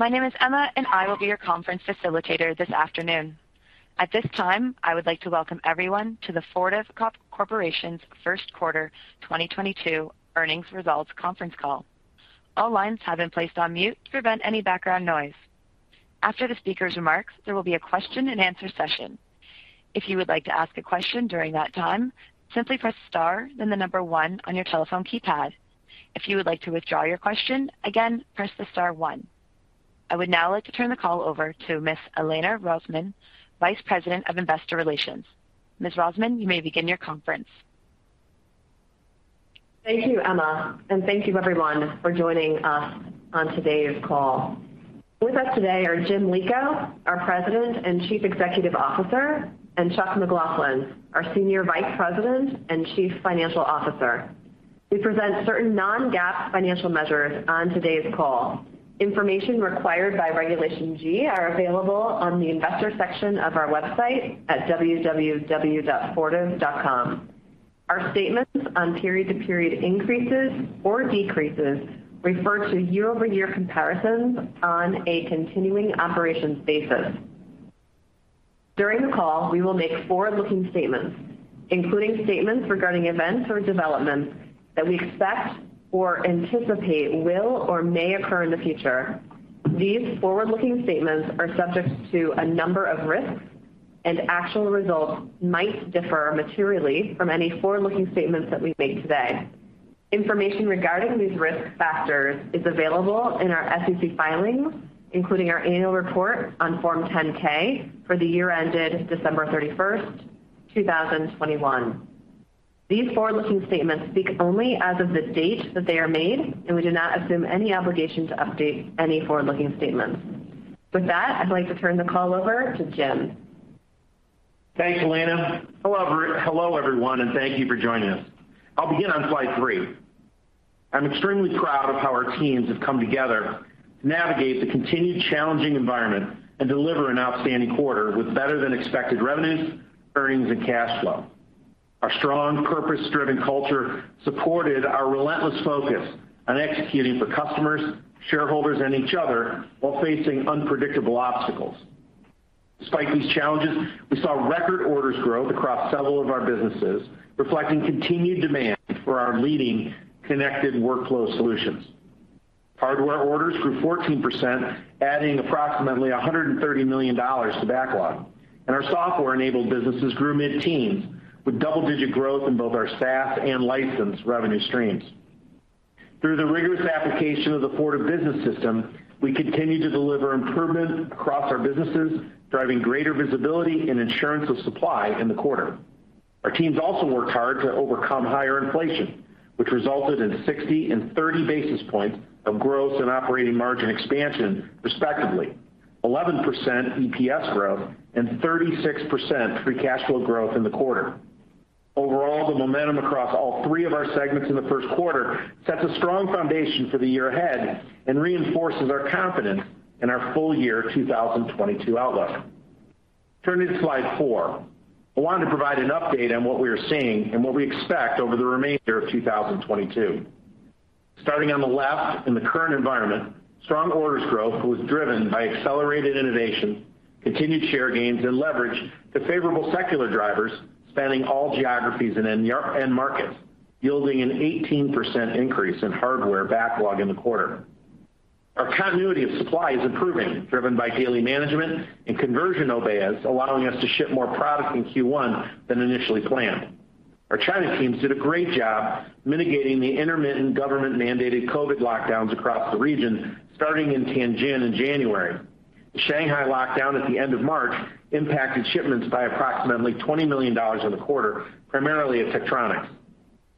My name is Emma, and I will be your conference facilitator this afternoon. At this time, I would like to welcome everyone to the Fortive Corporation's Q1 2022 earnings results conference call. All lines have been placed on mute to prevent any background noise. After the speaker's remarks, there will be a question-and-answer session. If you would like to ask a question during that time, simply press star, then the number one on your telephone keypad. If you would like to withdraw your question, again, press the star one. I would now like to turn the call over to Ms. Elena Rosman, Vice President of Investor Relations. Ms. Rosman, you may begin your conference. Thank you, Emma, and thank you everyone for joining us on today's call. With us today are Jim Lico, our President and Chief Executive Officer, and Chuck McLaughlin, our Senior Vice President and Chief Financial Officer. We present certain non-GAAP financial measures on today's call. Information required by Regulation G are available on the investor section of our website at www.fortive.com. Our statements on period-to-period increases or decreases refer to year-over-year comparisons on a continuing operations basis. During the call, we will make forward-looking statements, including statements regarding events or developments that we expect or anticipate will or may occur in the future. These forward-looking statements are subject to a number of risks, and actual results might differ materially from any forward-looking statements that we make today. Information regarding these risk factors is available in our SEC filings, including our annual report on Form 10-K for the year ended 31 December, 2021. These forward-looking statements speak only as of the date that they are made, and we do not assume any obligation to update any forward-looking statements. With that, I'd like to turn the call over to Jim. Thanks, Elena. Hello, everyone, and thank you for joining us. I'll begin on slide three. I'm extremely proud of how our teams have come together to navigate the continued challenging environment and deliver an outstanding quarter with better than expected revenues, earnings, and cash flow. Our strong purpose-driven culture supported our relentless focus on executing for customers, shareholders, and each other while facing unpredictable obstacles. Despite these challenges, we saw record orders growth across several of our businesses, reflecting continued demand for our leading connected workflow solutions. Hardware orders grew 14%, adding approximately $130 million to backlog. Our software-enabled businesses grew mid-teens, with double-digit growth in both our SaaS and licensed revenue streams. Through the rigorous application of the Fortive Business System, we continue to deliver improvement across our businesses, driving greater visibility and assurance of supply in the quarter. Our teams also worked hard to overcome higher inflation, which resulted in 60 basis points and 30 basis points of growth and operating margin expansion, respectively, 11% EPS growth, and 36% free cash flow growth in the quarter. Overall, the momentum across all three of our segments in the Q1 sets a strong foundation for the year ahead and reinforces our confidence in our full year 2022 outlook. Turning to slide four. I wanted to provide an update on what we are seeing and what we expect over the remainder of 2022. Starting on the left in the current environment, strong orders growth was driven by accelerated innovation, continued share gains, and leverage to favorable secular drivers spanning all geographies and end markets, yielding an 18% increase in hardware backlog in the quarter. Our continuity of supply is improving, driven by daily management and conversion obeyas, allowing us to ship more product in Q1 than initially planned. Our China teams did a great job mitigating the intermittent government-mandated COVID lockdowns across the region, starting in Tianjin in January. The Shanghai lockdown at the end of March impacted shipments by approximately $20 million in the quarter, primarily at Tektronix.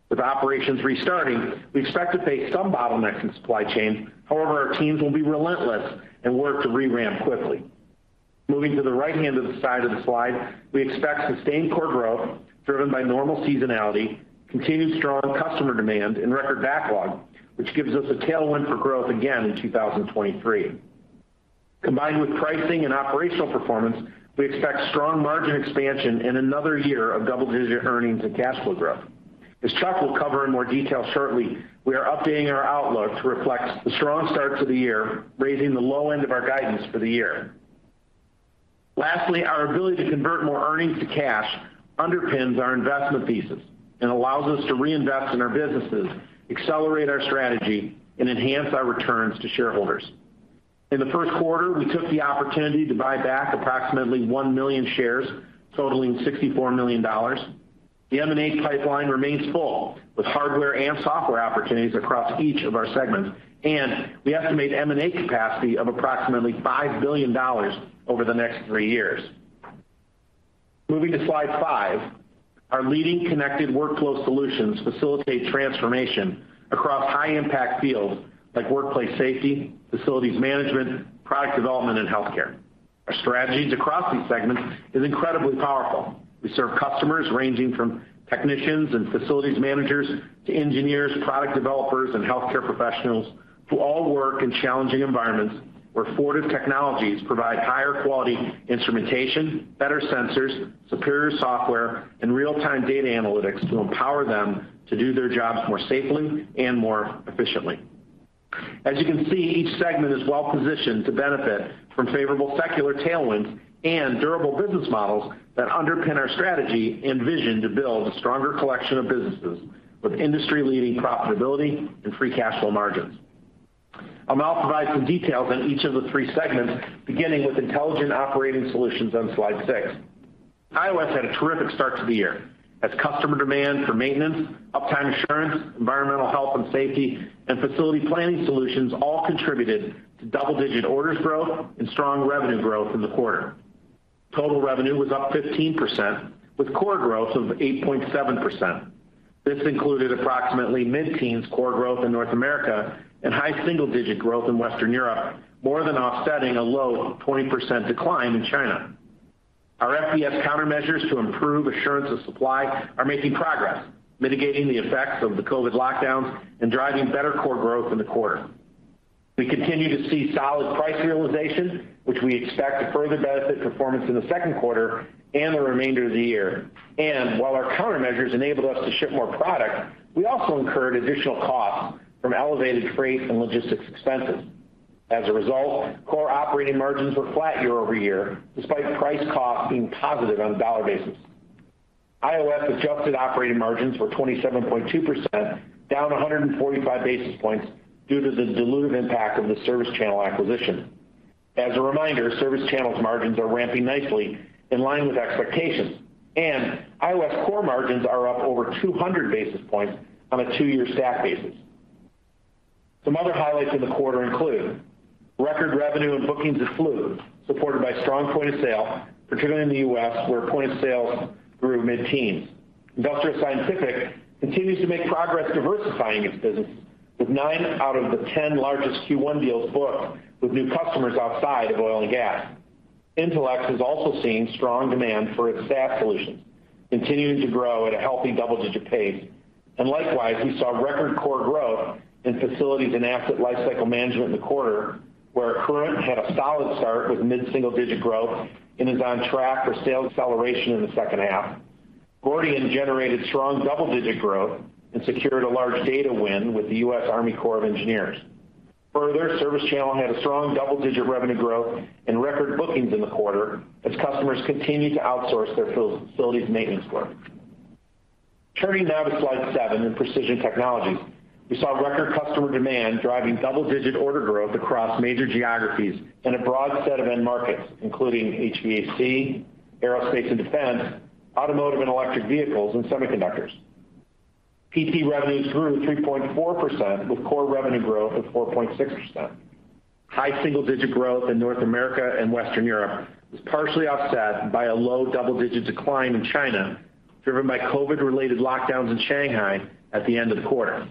With operations restarting, we expect to face some bottlenecks in supply chain. However, our teams will be relentless and work to ramp quickly. Moving to the right-hand side of the slide, we expect sustained core growth driven by normal seasonality, continued strong customer demand, and record backlog, which gives us a tailwind for growth again in 2023. Combined with pricing and operational performance, we expect strong margin expansion and another year of double-digit earnings and cash flow growth. As Chuck will cover in more detail shortly, we are updating our outlook to reflect the strong start to the year, raising the low end of our guidance for the year. Lastly, our ability to convert more earnings to cash underpins our investment thesis and allows us to reinvest in our businesses, accelerate our strategy, and enhance our returns to shareholders. In the Q1, we took the opportunity to buy back approximately one million shares, totaling $64 million. The M&A pipeline remains full with hardware and software opportunities across each of our segments, and we estimate M&A capacity of approximately $5 billion over the next three years. Moving to slide five. Our leading connected workflow solutions facilitate transformation across high-impact fields like workplace safety, facilities management, product development, and healthcare. Our strategies across these segments is incredibly powerful. We serve customers ranging from technicians and facilities managers to engineers, product developers, and healthcare professionals who all work in challenging environments where Fortive technologies provide higher quality instrumentation, better sensors, superior software, and real-time data analytics to empower them to do their jobs more safely and more efficiently. As you can see, each segment is well positioned to benefit from favorable secular tailwinds and durable business models that underpin our strategy and vision to build a stronger collection of businesses with industry-leading profitability and free cash flow margins. I'll now provide some details on each of the three segments, beginning with Intelligent Operating Solutions on slide six. IOS had a terrific start to the year as customer demand for maintenance, uptime assurance, environmental health and safety, and facility planning solutions all contributed to double-digit orders growth and strong revenue growth in the quarter. Total revenue was up 15%, with core growth of 8.7%. This included approximately mid-teens core growth in North America and high single-digit growth in Western Europe, more than offsetting a low 20% decline in China. Our FPS countermeasures to improve assurance of supply are making progress, mitigating the effects of the COVID lockdowns and driving better core growth in the quarter. We continue to see solid price realization, which we expect to further benefit performance in the Q2 and the remainder of the year. While our countermeasures enabled us to ship more product, we also incurred additional costs from elevated freight and logistics expenses. As a result, core operating margins were flat year-over-year, despite price cost being positive on a dollar basis. IOS adjusted operating margins were 27.2%, down 145 basis points due to the dilutive impact of the ServiceChannel acquisition. As a reminder, ServiceChannel's margins are ramping nicely in line with expectations, and IOS core margins are up over 200 basis points on a two-year stack basis. Some other highlights in the quarter include record revenue and bookings of Fluke, supported by strong point of sale, particularly in the US, where point of sale grew mid-teens. Industrial Scientific continues to make progress diversifying its business, with nine out of the 10 largest Q1 deals booked with new customers outside of oil and gas. Intelex has also seen strong demand for its SaaS solutions, continuing to grow at a healthy double-digit pace. Likewise, we saw record core growth in facilities and asset lifecycle management in the quarter, where Accruent had a solid start with mid-single-digit growth and is on track for sales acceleration in the second half. Gordian generated strong double-digit growth and secured a large data win with the US Army Corps of Engineers. Further, ServiceChannel had a strong double-digit revenue growth and record bookings in the quarter as customers continued to outsource their facilities maintenance work. Turning now to slide seven in Precision Technologies, we saw record customer demand driving double-digit order growth across major geographies and a broad set of end markets, including HVAC, aerospace & defense, automotive & electric vehicles, and semiconductors. PT revenues grew 3.4%, with core revenue growth of 4.6%. High single-digit growth in North America and Western Europe was partially offset by a low double-digit decline in China, driven by COVID related lockdowns in Shanghai at the end of the quarter.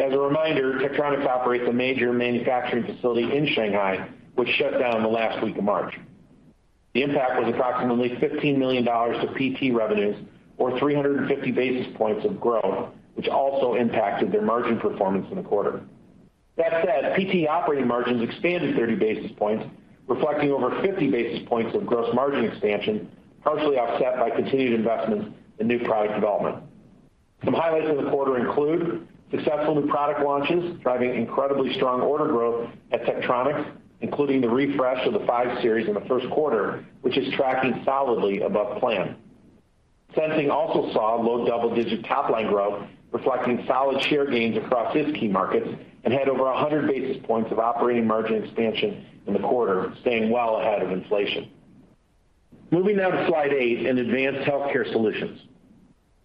As a reminder, Tektronix operates a major manufacturing facility in Shanghai, which shut down in the last week of March. The impact was approximately $15 million of PT revenues or 350 basis points of growth, which also impacted their margin performance in the quarter. That said, PT operating margins expanded 30 basis points, reflecting over 50 basis points of gross margin expansion, partially offset by continued investments in new product development. Some highlights of the quarter include successful new product launches, driving incredibly strong order growth at Tektronix, including the refresh of the Five series in the Q1, which is tracking solidly above plan. Sensing also saw low double-digit top-line growth, reflecting solid share gains across its key markets and had over 100 basis points of operating margin expansion in the quarter, staying well ahead of inflation. Moving now to slide eight in Advanced Healthcare Solutions.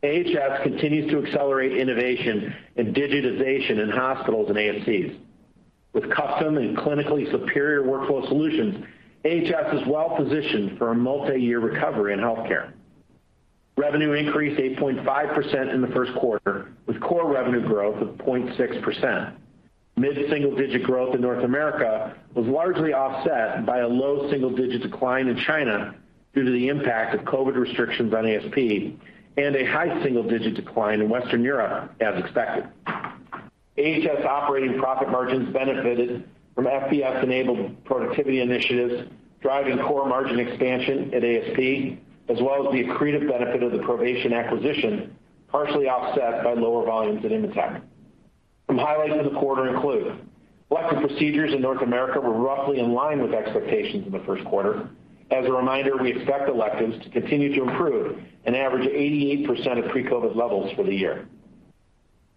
AHS continues to accelerate innovation and digitization in hospitals and ASCs. With custom and clinically superior workflow solutions, AHS is well positioned for a multiyear recovery in healthcare. Revenue increased 8.5% in the Q1, with core revenue growth of 0.6%. Mid-single-digit growth in North America was largely offset by a low single-digit decline in China due to the impact of COVID restrictions on ASP and a high single-digit decline in Western Europe as expected. AHS operating profit margins benefited from FBS-enabled productivity initiatives, driving core margin expansion at ASP, as well as the accretive benefit of the Provation acquisition, partially offset by lower volumes at Invetech. Some highlights of the quarter include elective procedures in North America were roughly in line with expectations in the Q1. As a reminder, we expect electives to continue to improve and average 88% of pre-COVID levels for the year.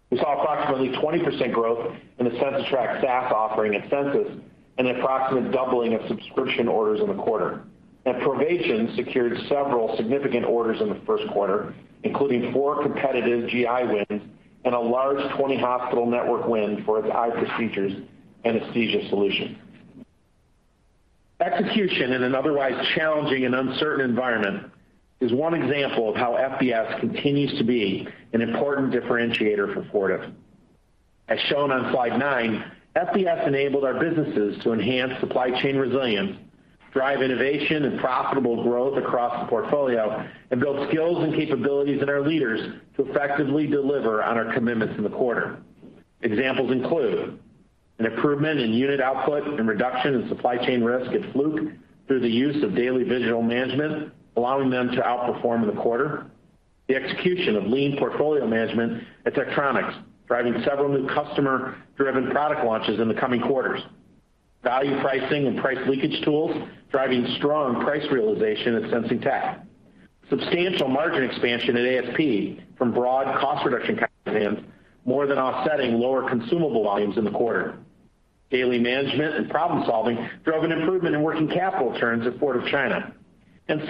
We saw approximately 20% growth in the CensiTrac SaaS offering at Censis and an approximate doubling of subscription orders in the quarter. Provation secured several significant orders in the Q1 including four competitive GI wins and a large 20 hospital network win for its iProcedures anesthesia solution. Execution in an otherwise challenging and uncertain environment is one example of how FBS continues to be an important differentiator for Fortive. As shown on slide nine, FBS enabled our businesses to enhance supply chain resilience, drive innovation and profitable growth across the portfolio, and build skills and capabilities in our leaders to effectively deliver on our commitments in the quarter. Examples include. An improvement in unit output and reduction in supply chain risk at Fluke through the use of daily visual management, allowing them to outperform the quarter. The execution of lean portfolio management at Tektronix, driving several new customer-driven product launches in the coming quarters. Value pricing and price leakage tools driving strong price realization at Sensing Technologies. Substantial margin expansion at ASP from broad cost reduction more than offsetting lower consumable volumes in the quarter. Daily management and problem-solving drove an improvement in working capital turns at Fortive China.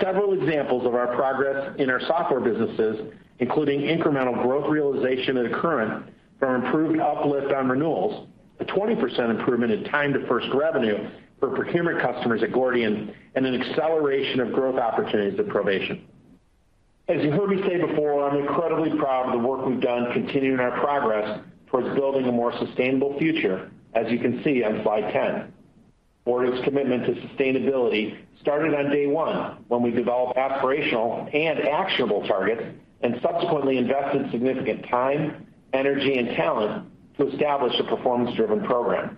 Several examples of our progress in our software businesses, including incremental growth realization at Accruent from improved uplift on renewals, a 20% improvement in time to first revenue for procurement customers at Gordian, and an acceleration of growth opportunities at Provation. As you heard me say before, I'm incredibly proud of the work we've done continuing our progress towards building a more sustainable future, as you can see on slide 10. Fortive's commitment to sustainability started on day one when we developed aspirational and actionable targets and subsequently invested significant time, energy, and talent to establish a performance-driven program.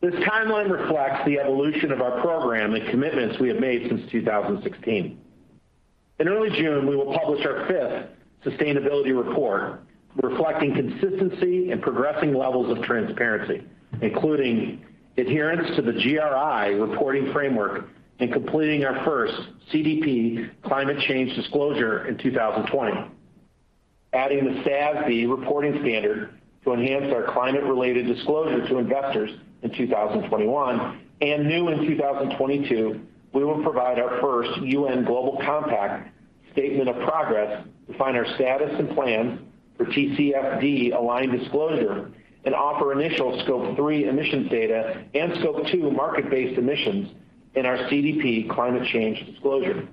This timeline reflects the evolution of our program and commitments we have made since 2016. In early June, we will publish our fifth sustainability report reflecting consistency and progressing levels of transparency, including adherence to the GRI reporting framework and completing our first CDP Climate Change Disclosure in 2020. Adding the SASB reporting standard to enhance our climate-related disclosure to investors in 2021. New in 2022, we will provide our first UN Global Compact statement of progress to find our status and plans for TCFD-aligned disclosure and offer initial Scope three emissions data and Scope two market-based emissions in our CDP climate change disclosure.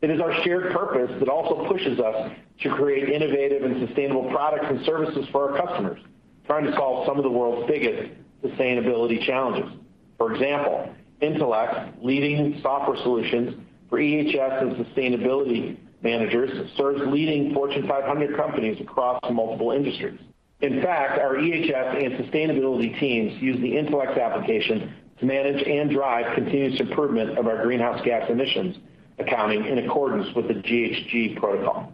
It is our shared purpose that also pushes us to create innovative and sustainable products and services for our customers, trying to solve some of the world's biggest sustainability challenges. For example, Intelex, leading software solutions for EHS and sustainability managers, serves leading Fortune 500 companies across multiple industries. In fact, our EHS and sustainability teams use the Intelex application to manage and drive continuous improvement of our greenhouse gas emissions accounting in accordance with the GHG Protocol.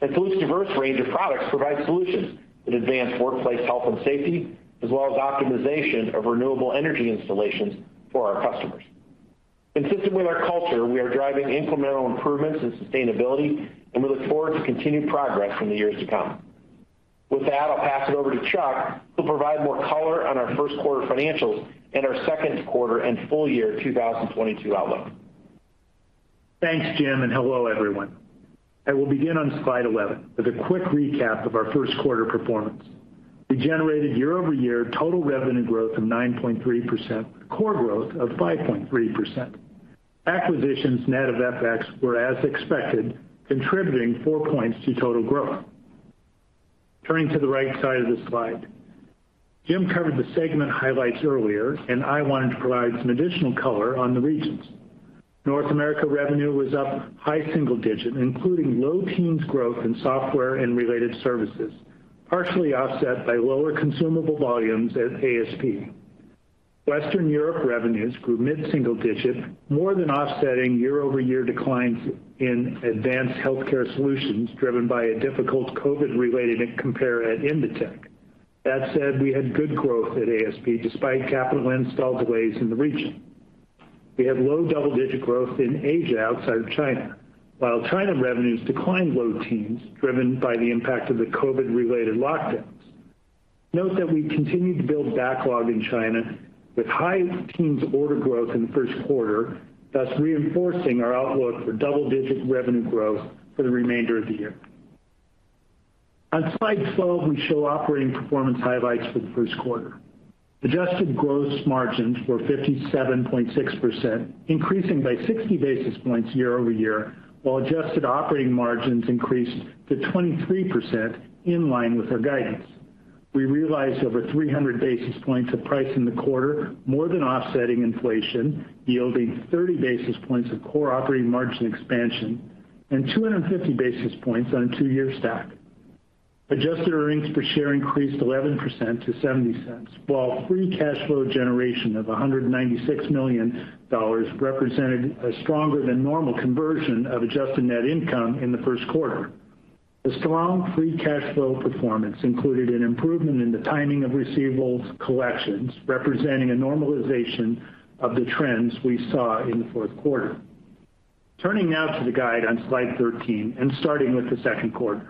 Fluke's diverse range of products provide solutions that advance workplace health and safety, as well as optimization of renewable energy installations for our customers. Consistent with our culture, we are driving incremental improvements in sustainability, and we look forward to continued progress in the years to come. With that, I'll pass it over to Chuck, who'll provide more color on our Q1 financials and our Q2 and full year 2022 outlook. Thanks, Jim, and hello, everyone. I will begin on slide 11 with a quick recap of our Q1 performance. We generated year-over-year total revenue growth of 9.3%, core growth of 5.3%. Acquisitions net of FX were as expected, contributing four points to total growth. Turning to the right side of the slide. Jim covered the segment highlights earlier, and I wanted to provide some additional color on the regions. North America revenue was up high single-digit, including low-teens growth in software and related services, partially offset by lower consumable volumes at ASP. Western Europe revenues grew mid-single-digit, more than offsetting year-over-year declines in Advanced Healthcare Solutions driven by a difficult COVID-related compare at Invetech. That said, we had good growth at ASP despite capital installs delays in the region. We had low double-digit growth in Asia outside of China, while China revenues declined low teens, driven by the impact of the COVID-related lockdowns. Note that we continued to build backlog in China with high teens order growth in the Q1 thus reinforcing our outlook for double-digit revenue growth for the remainder of the year. On slide 12, we show operating performance highlights for the Q1. Adjusted gross margins were 57.6%, increasing by 60 basis points year-over-year, while adjusted operating margins increased to 23% in line with our guidance. We realized over 300 basis points of price in the quarter, more than offsetting inflation, yielding 30 basis points of core operating margin expansion and 250 basis points on a two-year stack. Adjusted earnings per share increased 11% to $0.70, while free cash flow generation of $196 million represented a stronger than normal conversion of adjusted net income in the Q1. The strong free cash flow performance included an improvement in the timing of receivables collections, representing a normalization of the trends we saw in the Q4. Turning now to the guide on slide 13 and starting with the Q2.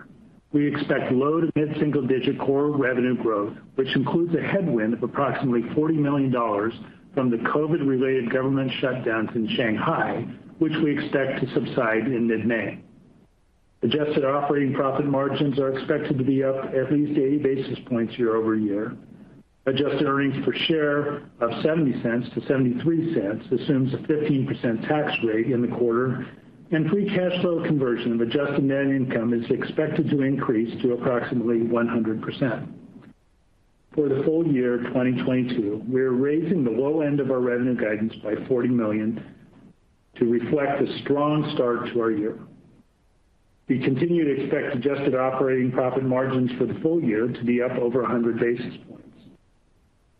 We expect low- to mid-single-digit core revenue growth, which includes a headwind of approximately $40 million from the COVID-related government shutdowns in Shanghai, which we expect to subside in mid-May. Adjusted operating profit margins are expected to be up at least 80 basis points year-over-year. Adjusted earnings per share of $0.70 to $0.73 assumes a 15% tax rate in the quarter. Free cash flow conversion of adjusted net income is expected to increase to approximately 100%. For the full year 2022, we are raising the low end of our revenue guidance by $40 million to reflect a strong start to our year. We continue to expect adjusted operating profit margins for the full year to be up over 100 basis points.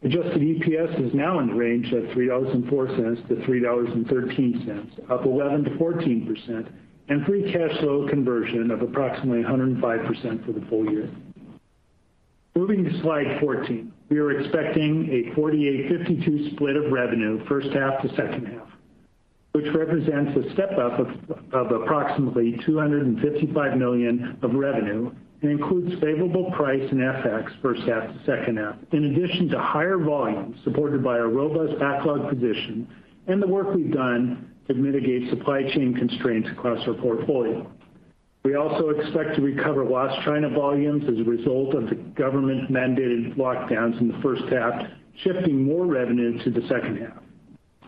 Adjusted EPS is now in the range of $3.04 to $3.13, up 11% to 14%, and free cash flow conversion of approximately 105% for the full year. Moving to slide 14. We are expecting a 48 to 52 split of revenue first half to second half, which represents a step up of approximately $255 million of revenue and includes favorable price and FX first half to second half, in addition to higher volume supported by our robust backlog position and the work we've done to mitigate supply chain constraints across our portfolio. We also expect to recover lost China volumes as a result of the government-mandated lockdowns in the first half, shifting more revenue to the second half.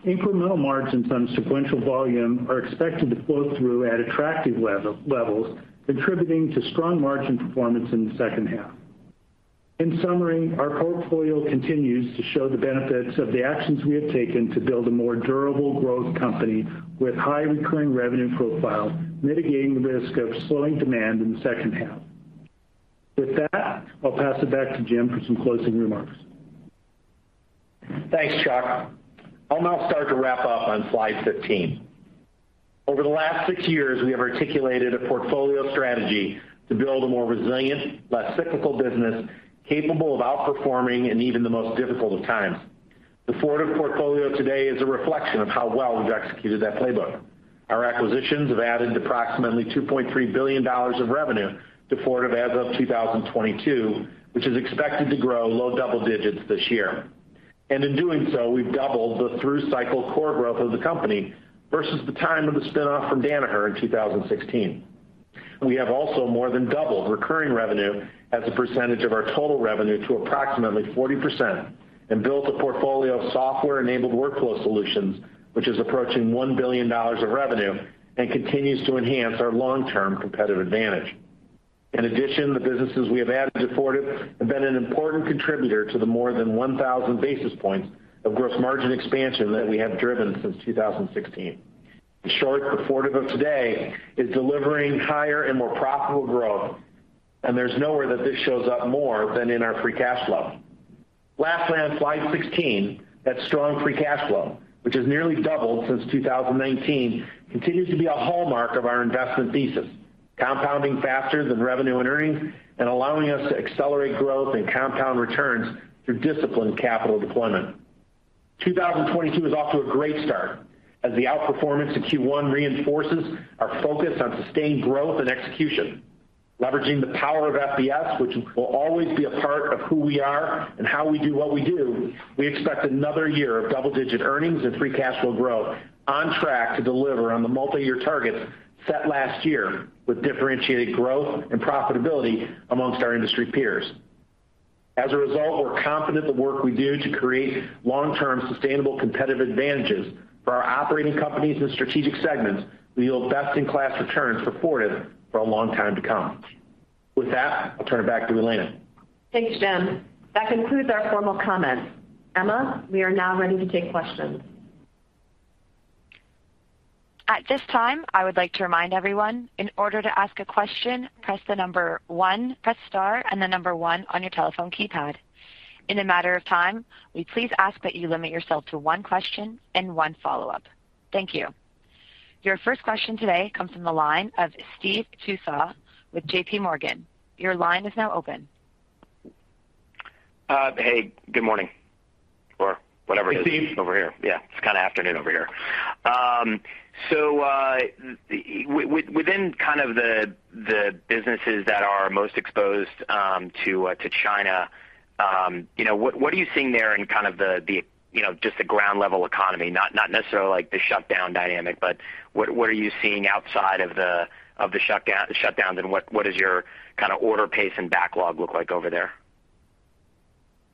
Incremental margins on sequential volume are expected to flow through at attractive levels, contributing to strong margin performance in the second half. In summary, our portfolio continues to show the benefits of the actions we have taken to build a more durable growth company with high recurring revenue profile, mitigating the risk of slowing demand in the second half. With that, I'll pass it back to Jim for some closing remarks. Thanks, Chuck. I'll now start to wrap up on slide 15. Over the last six years, we have articulated a portfolio strategy to build a more resilient, less cyclical business capable of outperforming in even the most difficult of times. The Fortive portfolio today is a reflection of how well we've executed that playbook. Our acquisitions have added approximately $2.3 billion of revenue to Fortive as of 2022, which is expected to grow low double digits this year. In doing so, we've doubled the through-cycle core growth of the company versus the time of the spin-off from Danaher in 2016. We have also more than doubled recurring revenue as a percentage of our total revenue to approximately 40% and built a portfolio of software-enabled workflow solutions, which is approaching $1 billion of revenue and continues to enhance our long-term competitive advantage. In addition, the businesses we have added to Fortive have been an important contributor to the more than 1,000 basis points of gross margin expansion that we have driven since 2016. In short, the Fortive of today is delivering higher and more profitable growth, and there's nowhere that this shows up more than in our free cash flow. Lastly, on slide 16, that strong free cash flow, which has nearly doubled since 2019, continues to be a hallmark of our investment thesis, compounding faster than revenue and earnings and allowing us to accelerate growth and compound returns through disciplined capital deployment. 2022 is off to a great start as the outperformance in Q1 reinforces our focus on sustained growth and execution. Leveraging the power of FBS, which will always be a part of who we are and how we do what we do, we expect another year of double-digit earnings and free cash flow growth on track to deliver on the multiyear targets set last year with differentiated growth and profitability among our industry peers. As a result, we're confident the work we do to create long-term sustainable competitive advantages for our operating companies and strategic segments will yield best-in-class returns for Fortive for a long time to come. With that, I'll turn it back to Elena. Thanks, Jim. That concludes our formal comments. Emma, we are now ready to take questions. At this time, I would like to remind everyone, in order to ask a question, press star and the number one on your telephone keypad. In a moment, we ask that you limit yourself to one question and one follow-up. Thank you. Your first question today comes from the line of Steve Tusa with JPMorgan. Your line is now open. Hey, good morning or whatever it is. Steve. Over here. Yeah, it's kind of afternoon over here. Within kind of the businesses that are most exposed to China, you know, what are you seeing there in kind of the you know, just the ground level economy? Not necessarily like the shutdown dynamic, but what are you seeing outside of the shutdowns, and what is your kind of order pace and backlog look like over there?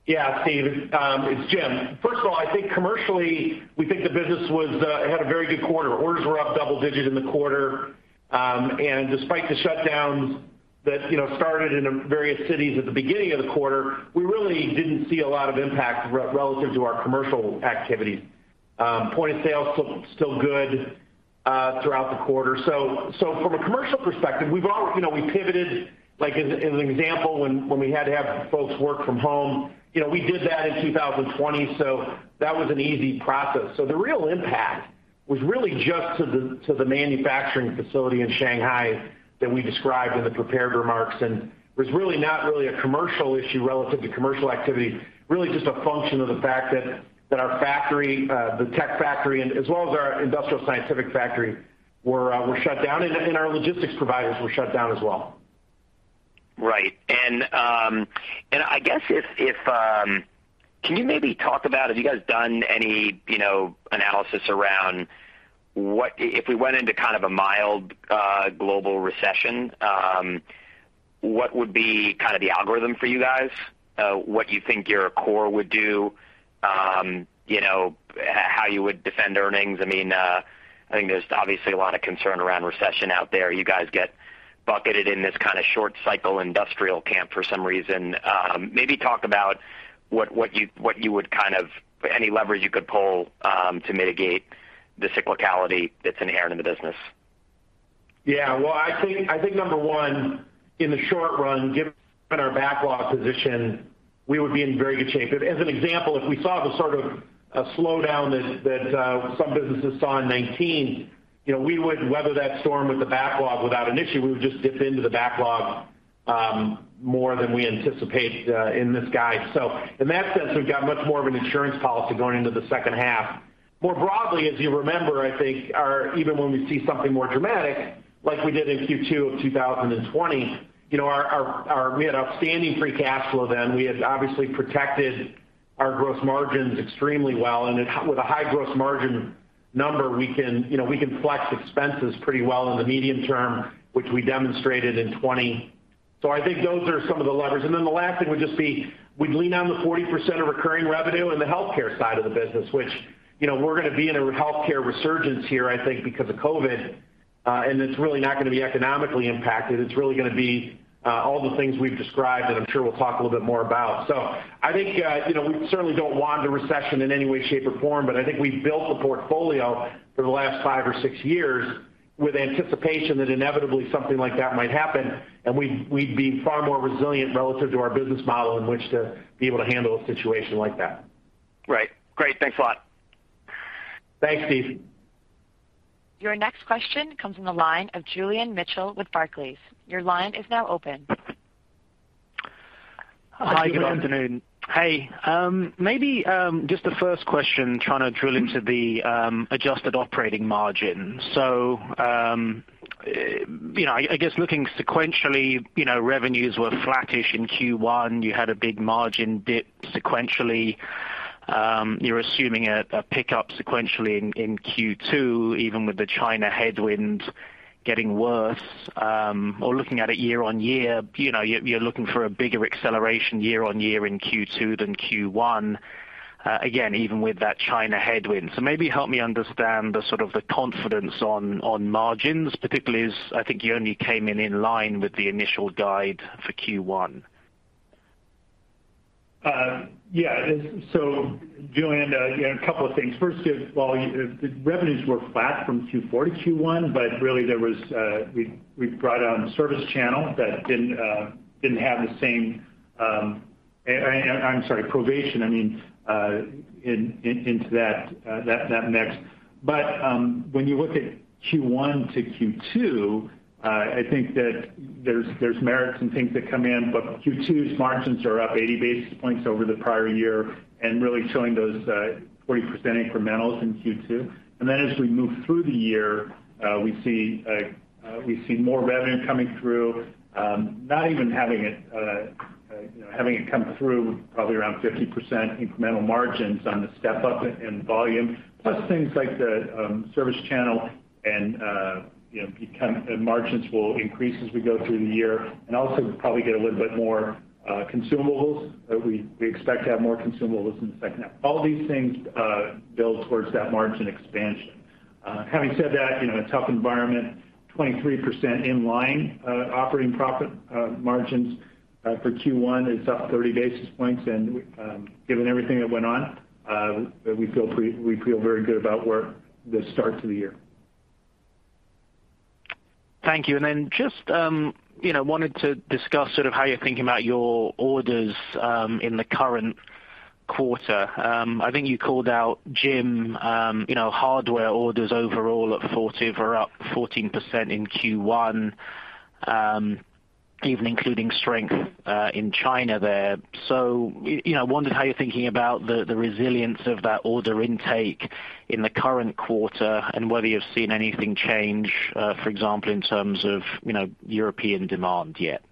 Yeah, Steve, it's Jim. First of all, I think commercially, we think the business had a very good quarter. Orders were up double-digit in the quarter. Despite the shutdowns that, you know, started in various cities at the beginning of the quarter, we really didn't see a lot of impact relative to our commercial activities. Point of sale still good throughout the quarter. From a commercial perspective, you know, we pivoted, like, as an example, when we had to have folks work from home. You know, we did that in 2020, so that was an easy process. The real impact was really just to the manufacturing facility in Shanghai that we described in the prepared remarks. It was really not really a commercial issue relative to commercial activity, really just a function of the fact that our factory, the Tek factory, as well as our Industrial Scientific factory were shut down, and our logistics providers were shut down as well. Right. I guess, Can you maybe talk about have you guys done any, you know, analysis around what if we went into kind of a mild global recession, what would be kind of the algorithm for you guys? What you think your core would do, you know, how you would defend earnings? I mean, I think there's obviously a lot of concern around recession out there. You guys get bucketed in this kind of short cycle industrial camp for some reason. Maybe talk about what you would kind of any leverage you could pull to mitigate the cyclicality that's inherent in the business. Well, I think number one, in the short run, given our backlog position, we would be in very good shape. As an example, if we saw the sort of a slowdown some businesses saw in 2019, you know, we would weather that storm with the backlog without an issue. We would just dip into the backlog more than we anticipate in this guide. In that sense, we've got much more of an insurance policy going into the second half. More broadly, as you remember, I think even when we see something more dramatic like we did in Q2 of 2020, you know, we had outstanding free cash flow then. We had obviously protected our gross margins extremely well, and with a high gross margin number, we can, you know, we can flex expenses pretty well in the medium term, which we demonstrated in 2020. I think those are some of the levers. Then the last thing would just be we'd lean on the 40% of recurring revenue in the healthcare side of the business, which, you know, we're gonna be in a healthcare resurgence here, I think, because of COVID, and it's really not gonna be economically impacted. It's really gonna be all the things we've described, and I'm sure we'll talk a little bit more about. I think, you know, we certainly don't want a recession in any way, shape, or form, but I think we've built the portfolio for the last five or six years with anticipation that inevitably something like that might happen, and we'd be far more resilient relative to our business model in which to be able to handle a situation like that. Right. Great. Thanks a lot. Thanks, Steve. Your next question comes from the line of Julian Mitchell with Barclays. Your line is now open. Hi, good afternoon. Hey. Hey. Maybe just the first question, trying to drill into the adjusted operating margin. You know, I guess looking sequentially, you know, revenues were flattish in Q1. You had a big margin dip sequentially. You're assuming a pickup sequentially in Q2, even with the China headwind getting worse. Or looking at it year on year, you know, you're looking for a bigger acceleration year on year in Q2 than Q1, again, even with that China headwind. Maybe help me understand the sort of confidence on margins, particularly as I think you only came in line with the initial guide for Q1. Yeah. Julian, you know, a couple of things. First of all, the revenues were flat from Q4 to Q1, but really there was, we brought on ServiceChannel that didn't have the same. I'm sorry, Provation, I mean, into that mix. When you look at Q1 to Q2, I think that there's merits and things that come in, but Q2's margins are up 80 basis points over the prior year and really showing those 40% incrementals in Q2. As we move through the year, we see more revenue coming through, not even having it, you know, having it come through probably around 50% incremental margins on the step-up in volume, plus things like the ServiceChannel and, you know, the margins will increase as we go through the year and also probably get a little bit more consumables. We expect to have more consumables in the second half. All these things build towards that margin expansion. Having said that, you know, in a tough environment, 23% in line operating profit margins for Q1 is up 30 basis points, and given everything that went on, we feel very good about where the start to the year. Thank you. Just, you know, wanted to discuss sort of how you're thinking about your orders in the current quarter. I think you called out Jim, you know, hardware orders overall at 40 were up 14% in Q1, even including strength in China there. You know, I wondered how you're thinking about the resilience of that order intake in the current quarter and whether you've seen anything change, for example, in terms of, you know, European demand yet.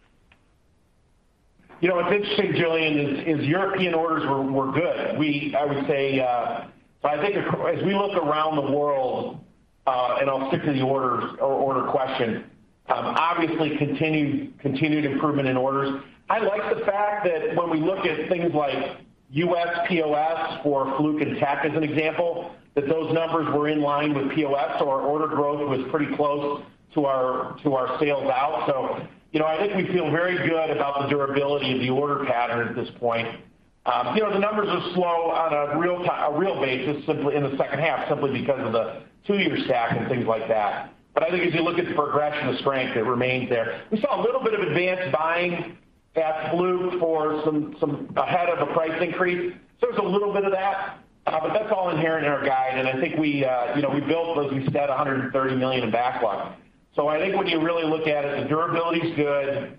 You know, what's interesting, Julian, is European orders were good. I would say, but I think as we look around the world, and I'll stick to the orders or order question, obviously continued improvement in orders. I like the fact that when we look at things like US POS for Fluke and Tech as an example, that those numbers were in line with POS. Our order growth was pretty close to our sales out. You know, I think we feel very good about the durability of the order pattern at this point. You know, the numbers are slow on a real basis simply in the second half, simply because of the two-year stack and things like that. I think if you look at the progression of strength, it remains there. We saw a little bit of advanced buying at Fluke for some ahead of a price increase. There's a little bit of that. But that's all inherent in our guide, and I think you know we built, as we said, $130 million in backlog. I think when you really look at it, the durability's good.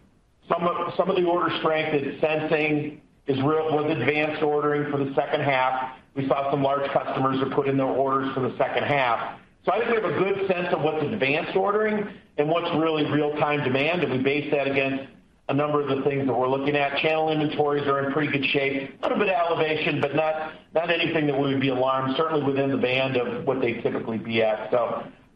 Some of the order strength in sensing was advanced ordering for the second half. We saw some large customers who put in their orders for the second half. I think we have a good sense of what's advanced ordering and what's really real-time demand, and we base that against a number of the things that we're looking at. Channel inventories are in pretty good shape. A little bit of elevation, but not anything that we would be alarmed, certainly within the band of what they'd typically be at.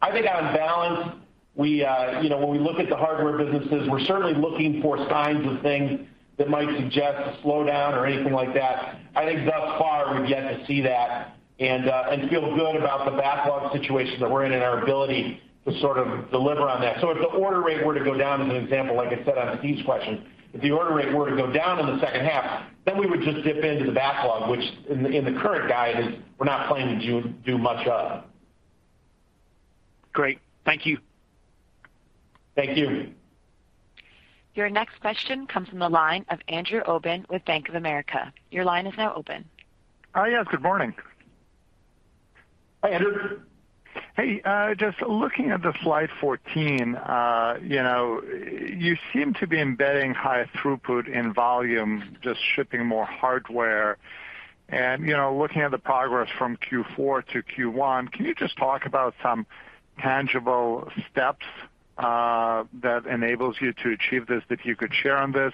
I think on balance, we, you know, when we look at the hardware businesses, we're certainly looking for signs of things that might suggest a slowdown or anything like that. I think thus far, we've yet to see that and feel good about the backlog situation that we're in and our ability to sort of deliver on that. If the order rate were to go down, as an example, like I said on Steve's question, if the order rate were to go down in the second half, then we would just dip into the backlog, which in the current guide is we're not planning to do much of. Great. Thank you. Thank you. Your next question comes from the line of Andrew Obin with Bank of America. Your line is now open. Oh, yes, good morning. Hi, Andrew. Hey, just looking at the slide 14, you know, you seem to be embedding high throughput in volume, just shipping more hardware and, you know, looking at the progress from Q4 to Q1, can you just talk about some tangible steps that enables you to achieve this, if you could share on this?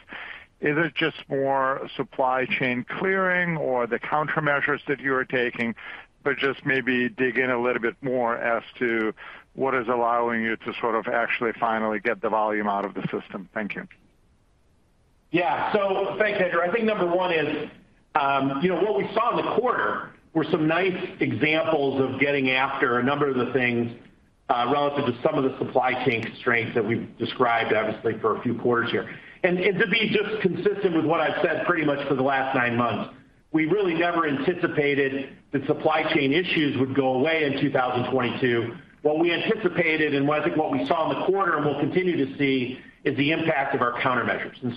Is it just more supply chain clearing or the countermeasures that you are taking? But just maybe dig in a little bit more as to what is allowing you to sort of actually finally get the volume out of the system. Thank you. Yeah. Thanks, Andrew. I think number one is, you know what we saw in the quarter were some nice examples of getting after a number of the things relative to some of the supply chain constraints that we've described, obviously, for a few quarters here. To be just consistent with what I've said pretty much for the last nine months, we really never anticipated that supply chain issues would go away in 2022. What we anticipated and what I think we saw in the quarter and we'll continue to see is the impact of our countermeasures. You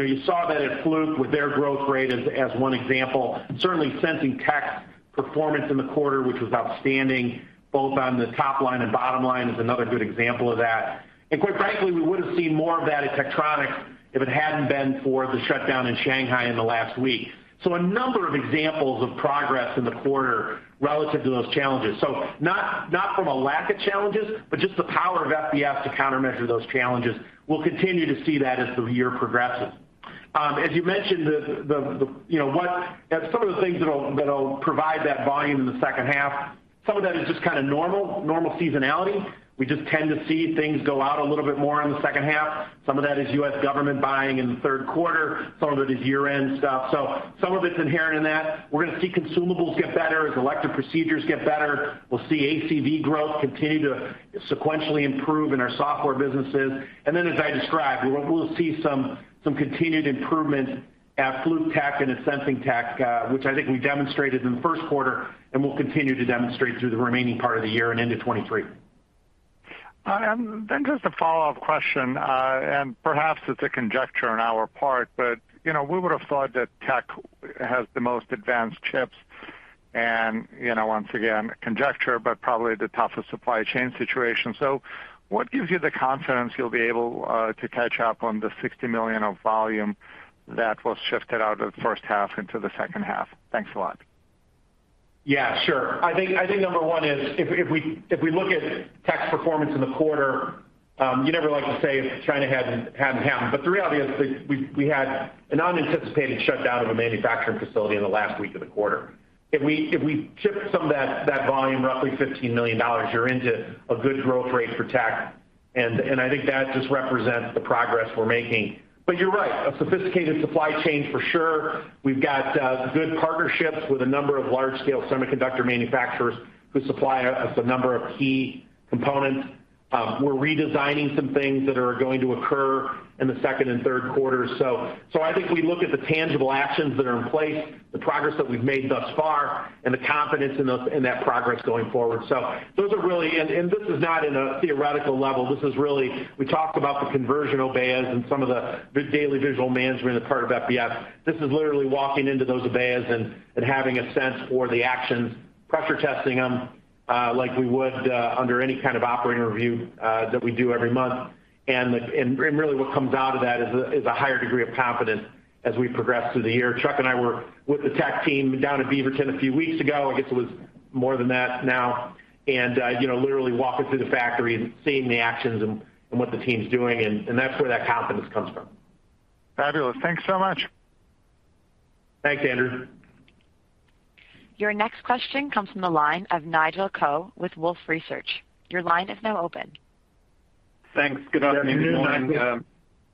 know, you saw that at Fluke with their growth rate as one example. Certainly, Sensing Tech performance in the quarter, which was outstanding both on the top line and bottom line, is another good example of that. Quite frankly, we would have seen more of that at Tektronix if it hadn't been for the shutdown in Shanghai in the last week. A number of examples of progress in the quarter relative to those challenges. Not from a lack of challenges, but just the power of FBS to countermeasure those challenges. We'll continue to see that as the year progresses. As you mentioned, some of the things that'll provide that volume in the second half, some of that is just kind of normal seasonality. We just tend to see things go out a little bit more in the second half. Some of that is US government buying in the Q3. Some of it is year-end stuff, so some of it's inherent in that. We're gonna see consumables get better, elective procedures get better. We'll see ACV growth continue to sequentially improve in our software businesses. As I described, we'll see some continued improvement at Fluke and at Sensing Technologies, which I think we demonstrated in the Q1 and we'll continue to demonstrate through the remaining part of the year and into 2023. Just a follow-up question, and perhaps it's a conjecture on our part, but, you know, we would have thought that tech has the most advanced chips and, you know, once again, conjecture, but probably the toughest supply chain situation. What gives you the confidence you'll be able to catch up on the $60 million of volume that was shifted out of the first half into the second half? Thanks a lot. Yeah, sure. I think number one is if we look at tech's performance in the quarter, you never like to say if China hadn't happened. The reality is we had an unanticipated shutdown of a manufacturing facility in the last week of the quarter. If we shift some of that volume, roughly $15 million, you're into a good growth rate for tech, and I think that just represents the progress we're making. You're right, a sophisticated supply chain for sure. We've got good partnerships with a number of large-scale semiconductor manufacturers who supply us a number of key components. We're redesigning some things that are going to occur in the second and Q3. I think we look at the tangible actions that are in place, the progress that we've made thus far, and the confidence in those, in that progress going forward. Those are really this is not in a theoretical level. This is really we talked about the conversion Obeya and some of the daily visual management as part of FBS. This is literally walking into those Obeya's and having a sense for the actions, pressure testing them, like we would, under any kind of operating review, that we do every month. Really what comes out of that is a higher degree of confidence as we progress through the year. Chuck and I were with the tech team down at Beaverton a few weeks ago. I guess it was more than that now. You know, literally walking through the factory and seeing the actions and what the team's doing, and that's where that confidence comes from. Fabulous. Thanks so much. Thanks, Andrew. Your next question comes from the line of Nigel Coe with Wolfe Research. Your line is now open. Thanks. Good afternoon. Morning. Good afternoon, Nigel.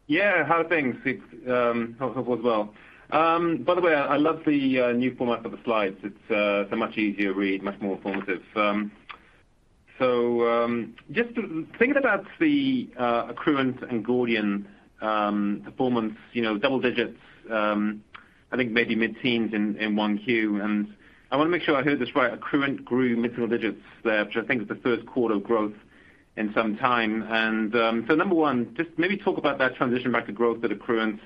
Yeah. How are things? Hope all is well. By the way, I love the new format of the slides. It's a much easier read, much more informative. Just thinking about the Accruent and Gordian performance, you know, double digits, I think maybe mid-teens in Q1. I wanna make sure I heard this right. Accruent grew mid-single digits there, which I think is the Q1 of growth in some time. Number one, just maybe talk about that transition back to growth at Accruent.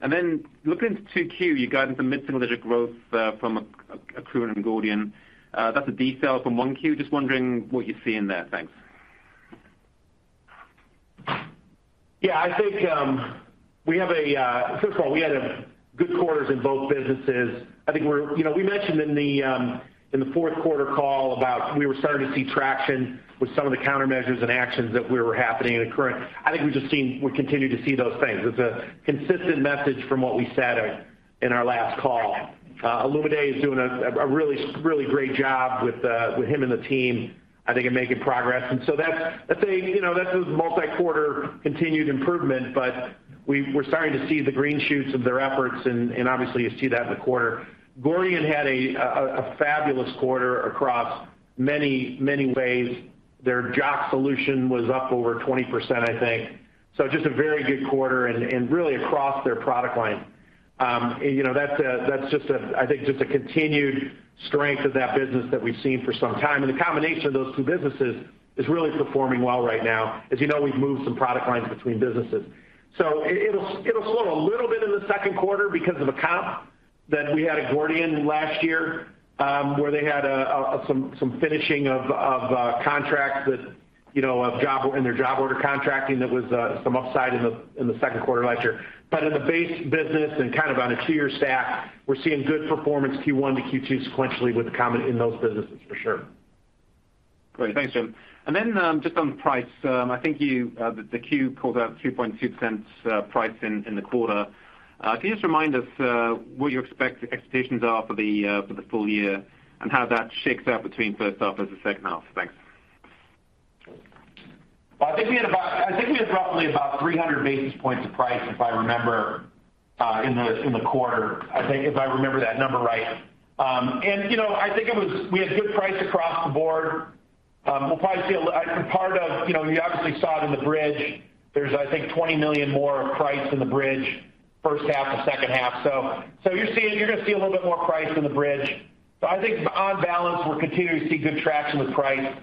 Then looking into Q2, you got into mid-single digit growth from Accruent and Gordian. That's a detail from Q1. Just wondering what you see in there. Thanks. Yeah. I think we have. First of all, we had good quarters in both businesses. I think we're. You know, we mentioned in the Q4 call about we were starting to see traction with some of the countermeasures and actions that were happening in Accruent. I think we've just seen. We're continuing to see those things. It's a consistent message from what we said in our last call. Olumide Soroye is doing a really great job with him and the team, I think, in making progress. That's a you know, that's a multi-quarter continued improvement, but we're starting to see the green shoots of their efforts and obviously you see that in the quarter. Gordian had a fabulous quarter across many, many ways. Their JOC solution was up over 20% I think. Just a very good quarter and really across their product line. You know, that's just a continued strength of that business that we've seen for some time. The combination of those two businesses is really performing well right now. As you know, we've moved some product lines between businesses. It'll slow a little bit in the Q2 because of a comp that we had at Gordian last year, where they had some finishing of contracts in their Job Order Contracting that was some upside in the Q2 last year. In the base business and kind of on a two-year stack, we're seeing good performance Q1 to Q2 sequentially with the comment in those businesses for sure. Great. Thanks, Jim. Just on the price, I think the quarter called out 2.2% price in the quarter. Can you just remind us what your expectations are for the full year, and how that shakes out between first half versus second half? Thanks. Well, I think we had roughly about 300 basis points of price, if I remember, in the quarter, I think, if I remember that number right. You know, I think we had good price across the board. We'll probably see part of, you know, you obviously saw it in the bridge. There's, I think, $20 million more of price in the bridge first half to second half. You're gonna see a little bit more price in the bridge. I think on balance, we're continuing to see good traction with price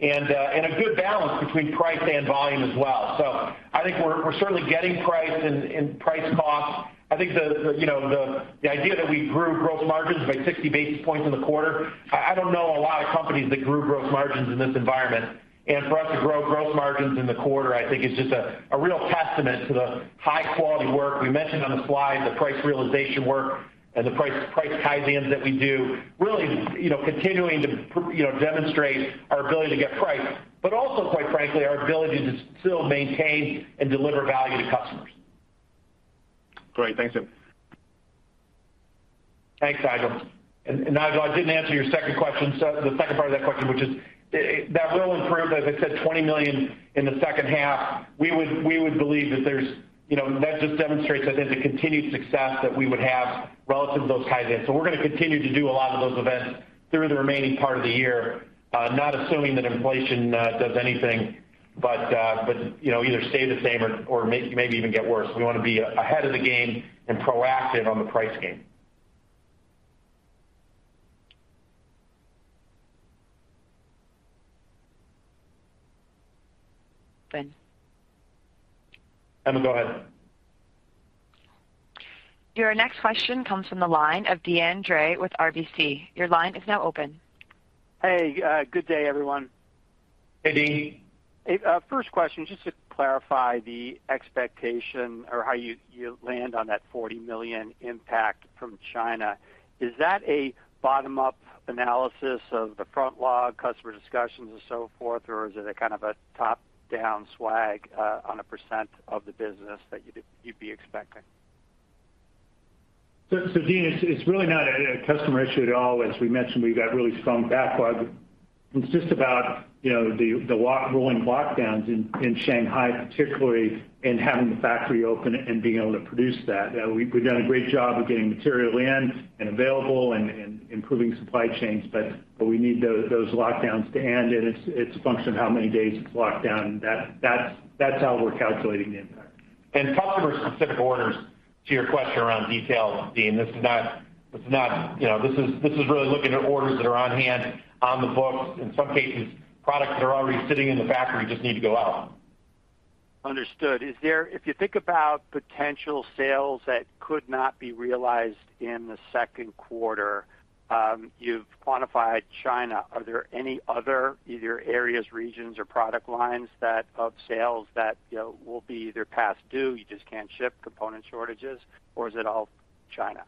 and a good balance between price and volume as well. I think we're certainly getting price and price cost. I think you know the idea that we grew gross margins by 60 basis points in the quarter. I don't know a lot of companies that grew gross margins in this environment. For us to grow gross margins in the quarter, I think is just a real testament to the high quality work. We mentioned on the slide the price realization work and the price tie-ins that we do, really you know continuing to demonstrate our ability to get price, but also, quite frankly, our ability to still maintain and deliver value to customers. Great. Thanks, Jim. Thanks, Nigel. Nigel, I didn't answer your second question, so the second part of that question, which is, that will improve, as I said, $20 million in the second half. We would believe that there's, you know, that just demonstrates, I think, the continued success that we would have relative to those tie-ins. We're gonna continue to do a lot of those events through the remaining part of the year, not assuming that inflation does anything but, you know, either stay the same or maybe even get worse. We wanna be ahead of the game and proactive on the pricing game. Ben. Emma, go ahead. Your next question comes from the line of Deane Dray with RBC. Your line is now open. Hey, good day, everyone. Hey, Deane. Hey, first question, just to clarify the expectation or how you land on that $40 million impact from China. Is that a bottom-up analysis of the front log, customer discussions and so forth, or is it a kind of a top-down swag on a percent of the business that you'd be expecting? Deane, it's really not a customer issue at all. As we mentioned, we've got really strong backlog. It's just about, you know, rolling lockdowns in Shanghai particularly, and having the factory open and being able to produce that. We've done a great job of getting material in and available and improving supply chains, but we need those lockdowns to end, and it's a function of how many days it's locked down. That's how we're calculating the impact. Customer-specific orders to your question around details, Deane. This is not, you know, this is really looking at orders that are on hand on the books, in some cases, products that are already sitting in the factory just need to go out. Understood. If you think about potential sales that could not be realized in the Q2, you've quantified China. Are there any other either areas, regions or product lines that, of sales that, you know, will be either past due, you just can't ship, component shortages, or is it all China?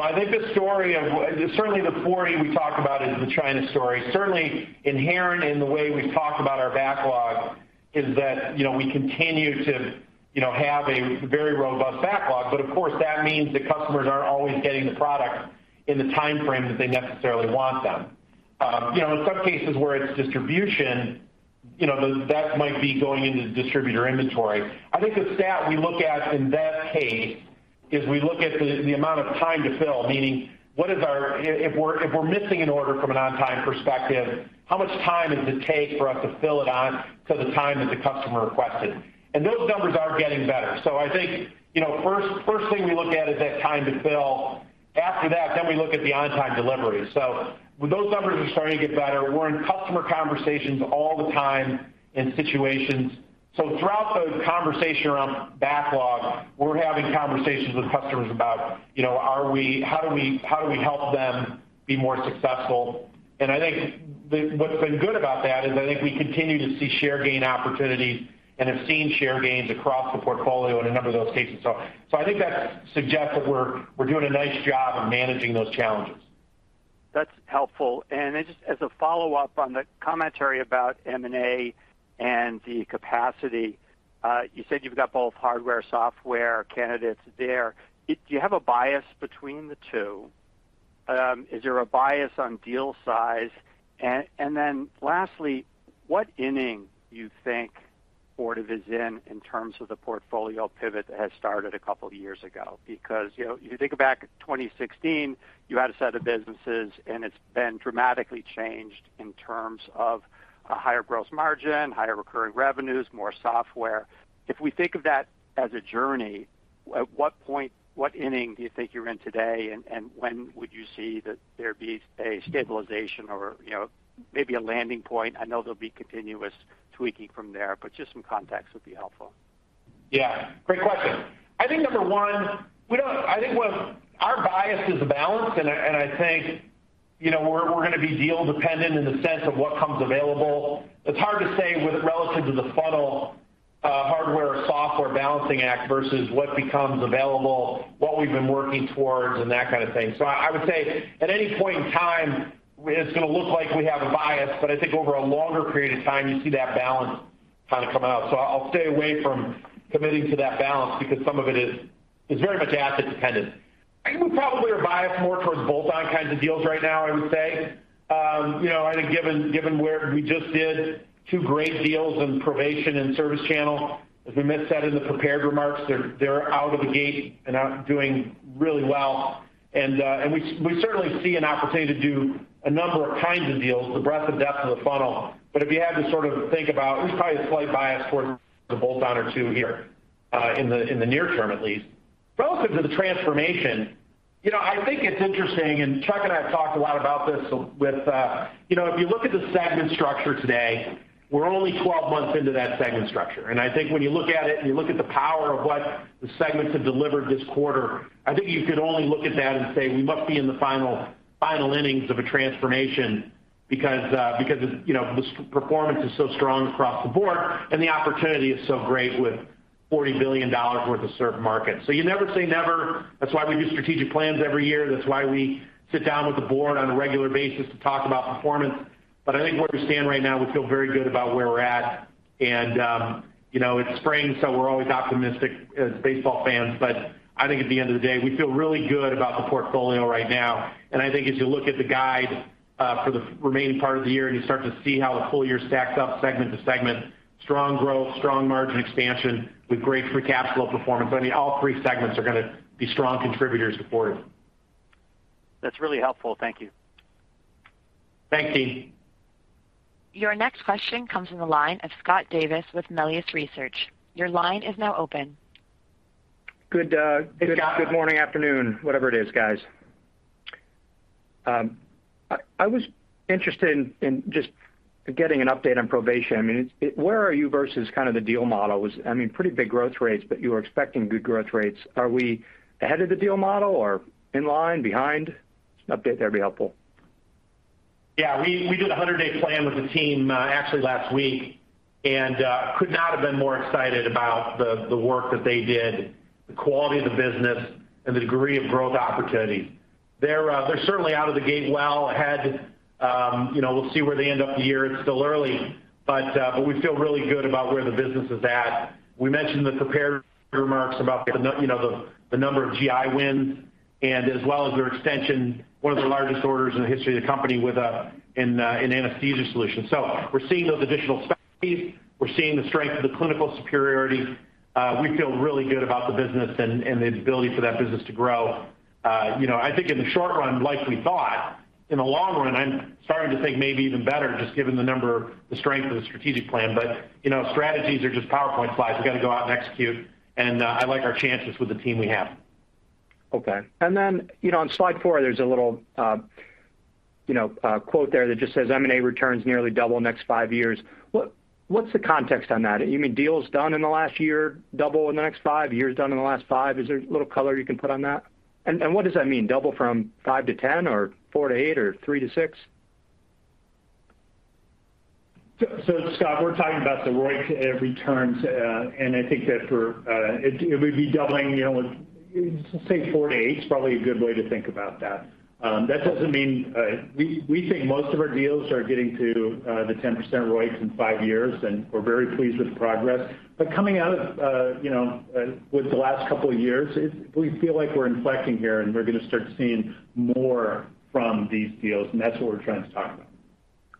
I think the story of Fortive. Certainly the Fortive we talked about is the China story. Certainly inherent in the way we've talked about our backlog is that, you know, we continue to, you know, have a very robust backlog, but of course, that means the customers aren't always getting the product in the timeframe that they necessarily want them. You know, in some cases where it's distribution, you know, that might be going into the distributor inventory. I think the stat we look at in that case is we look at the amount of time to fill, meaning what is our. If we're missing an order from an on-time perspective, how much time does it take for us to fill it on to the time that the customer requested? Those numbers are getting better. I think, you know, first thing we look at is that time to fill. After that, then we look at the on-time delivery. When those numbers are starting to get better, we're in customer conversations all the time in situations. Throughout those conversations around backlog, we're having conversations with customers about, you know, how do we, how do we help them be more successful? I think what's been good about that is I think we continue to see share gain opportunities and have seen share gains across the portfolio in a number of those cases. I think that suggests that we're doing a nice job of managing those challenges. That's helpful. Just as a follow-up on the commentary about M&A and the capacity, you said you've got both hardware, software candidates there. Do you have a bias between the two? Is there a bias on deal size? Lastly, what inning do you think Fortive is in terms of the portfolio pivot that has started a couple years ago? Because, you know, you think back to 2016, you had a set of businesses, and it's been dramatically changed in terms of a higher gross margin, higher recurring revenues, more software. If we think of that as a journey. At what point, what inning do you think you're in today? And when would you see that there'd be a stabilization or, you know, maybe a landing point? I know there'll be continuous tweaking from there, but just some context would be helpful. Yeah, great question. I think number one, our bias is balanced, and I think, you know, we're gonna be deal dependent in the sense of what comes available. It's hard to say with relative to the funnel, hardware, software balancing act versus what becomes available, what we've been working towards and that kind of thing. I would say at any point in time, it's gonna look like we have a bias, but I think over a longer period of time, you see that balance kind of come out. I'll stay away from committing to that balance because some of it is very much asset dependent. I think we probably are biased more towards bolt-on kinds of deals right now, I would say. You know, I think given where we just did two great deals in Provation and ServiceChannel, as we mentioned in the prepared remarks, they're out of the gate and outdoing really well. We certainly see an opportunity to do a number of kinds of deals, the breadth and depth of the funnel. If you had to sort of think about, there's probably a slight bias towards the bolt-on or two here in the near term, at least. Relative to the transformation, you know, I think it's interesting, and Chuck and I have talked a lot about this with you know, if you look at the segment structure today, we're only 12 months into that segment structure. I think when you look at it and you look at the power of what the segments have delivered this quarter, I think you could only look at that and say, "We must be in the final innings of a transformation because of, you know, this performance is so strong across the board and the opportunity is so great with $40 billion worth of served market." You never say never. That's why we do strategic plans every year. That's why we sit down with the board on a regular basis to talk about performance. But I think where we stand right now, we feel very good about where we're at. You know, it's spring, so we're always optimistic as baseball fans. But I think at the end of the day, we feel really good about the portfolio right now. I think as you look at the guide for the remaining part of the year, and you start to see how the full year stacks up segment to segment, strong growth, strong margin expansion with great free cash flow performance. I mean, all three segments are gonna be strong contributors to Fortive. That's really helpful. Thank you. Thanks, Deane. Your next question comes from the line of Scott Davis with Melius Research. Your line is now open. Good. Hey, Scott. Good morning, afternoon, whatever it is, guys. I was interested in just getting an update on Provation. I mean, it, where are you versus kind of the deal model? I mean, pretty big growth rates, but you were expecting good growth rates. Are we ahead of the deal model or in line, behind? An update there would be helpful. Yeah, we did a 100-day plan with the team, actually last week and could not have been more excited about the work that they did, the quality of the business and the degree of growth opportunity. They're certainly out of the gate well ahead. You know, we'll see where they end up the year. It's still early, but we feel really good about where the business is at. We mentioned the prepared remarks about you know, the number of GI wins and as well as their extension, one of the largest orders in the history of the company in anesthesia solutions. So we're seeing those additional studies. We're seeing the strength of the clinical superiority. We feel really good about the business and the ability for that business to grow. You know, I think in the short run, like we thought, in the long run, I'm starting to think maybe even better just given the number, the strength of the strategic plan. You know, strategies are just PowerPoint slides. We got to go out and execute, and I like our chances with the team we have. Okay. You know, on slide four, there's a little quote there that just says M&A returns nearly double next five years. What's the context on that? You mean deals done in the last year, double in the next five years, done in the last five? Is there a little color you can put on that? And what does that mean? Double from five to 10 or four to eight or three to six? Scott, we're talking about the ROI returns, and I think that it would be doubling, you know, let's just say four to eight is probably a good way to think about that. That doesn't mean we think most of our deals are getting to the 10% ROIs in five years, and we're very pleased with the progress. Coming out of, you know, with the last couple of years, we feel like we're inflecting here, and we're gonna start seeing more from these deals, and that's what we're trying to talk about.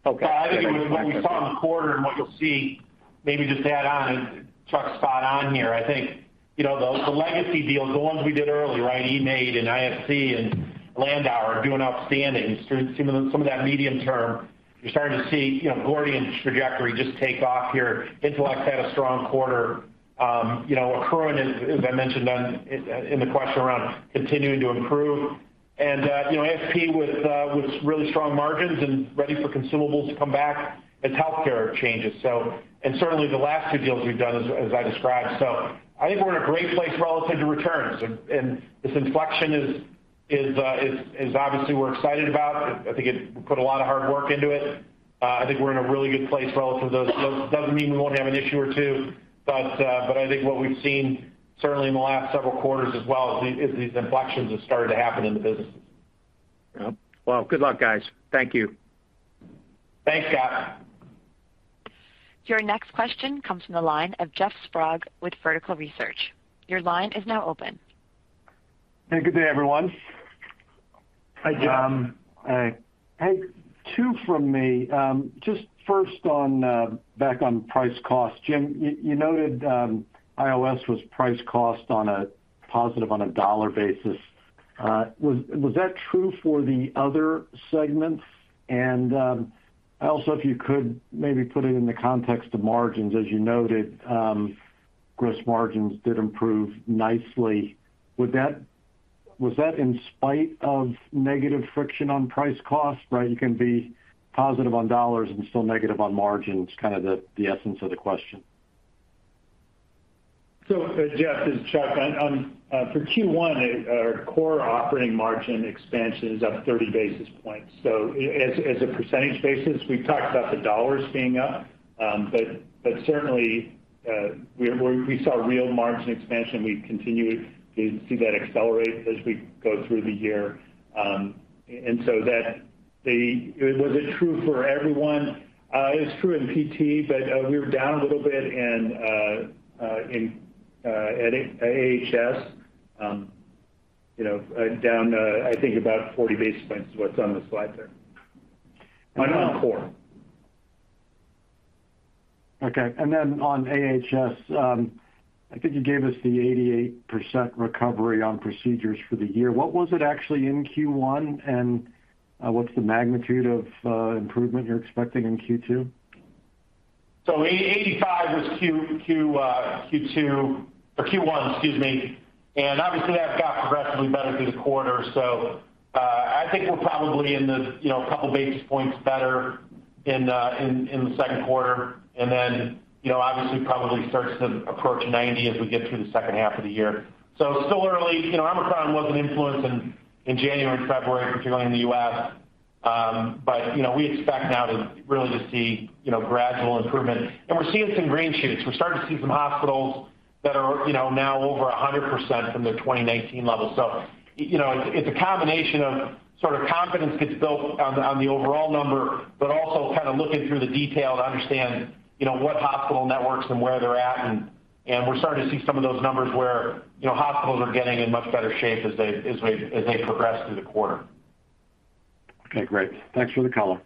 Okay. I think what we saw in the quarter and what you'll see maybe just add on. Chuck's spot on here. I think, you know, the legacy deals, the ones we did early, right? eMaint and ISC and Landauer are doing outstanding. Some of that medium-term, you're starting to see, you know, Gordian's trajectory just take off here. Intelex had a strong quarter. You know, Accruent, as I mentioned in the question around continuing to improve. You know, ASP with really strong margins and ready for consumables to come back as healthcare changes. Certainly the last two deals we've done as I described. I think we're in a great place relative to returns, and this inflection is obviously. We're excited about. We put a lot of hard work into it. I think we're in a really good place relative to those. Doesn't mean we won't have an issue or two. I think what we've seen certainly in the last several quarters as well is these inflections have started to happen in the business. Well, well, good luck, guys. Thank you. Thanks, Scott. Your next question comes from the line of Jeff Sprague with Vertical Research Partners. Your line is now open. Hey, good day, everyone. Hi, Jeff. Hi. Hey. two from me. Just first on back on price/cost. Jim, you noted IOS was price/cost on a positive on a dollar basis. Was that true for the other segments? Also, if you could maybe put it in the context of margins. As you noted, gross margins did improve nicely. Was that in spite of negative friction on price/cost? Right? You can be positive on dollars and still negative on margins, kind of the essence of the question. Jeff, this is Chuck. For Q1, our core operating margin expansion is up 30 basis points. As a percentage basis, we've talked about the dollars being up. But certainly, we saw real margin expansion. We continue to see that accelerate as we go through the year. Was it true for everyone? It was true in PT, but we were down a little bit in AHS. You know, down I think about 40 basis points is what's on the slide there. On core. Okay. On AHS, I think you gave us the 88% recovery on procedures for the year. What was it actually in Q1, and what's the magnitude of improvement you're expecting in Q2? 85 was quarter-over-quarter, Q1, excuse me. Obviously, that's got progressively better through the quarter. I think we're probably in the couple basis points better in the Q2. Then, obviously, probably starts to approach 90 as we get through the second half of the year. Still early. Omicron was an influence in January and February, particularly in the US We expect now to really just see gradual improvement. We're seeing some green shoots. We're starting to see some hospitals that are now over 100% from their 2019 levels. You know, it's a combination of sort of confidence gets built on the overall number, but also kind of looking through the detail to understand, you know, what hospital networks and where they're at. We're starting to see some of those numbers where, you know, hospitals are getting in much better shape as they progress through the quarter. Okay, great. Thanks for the color.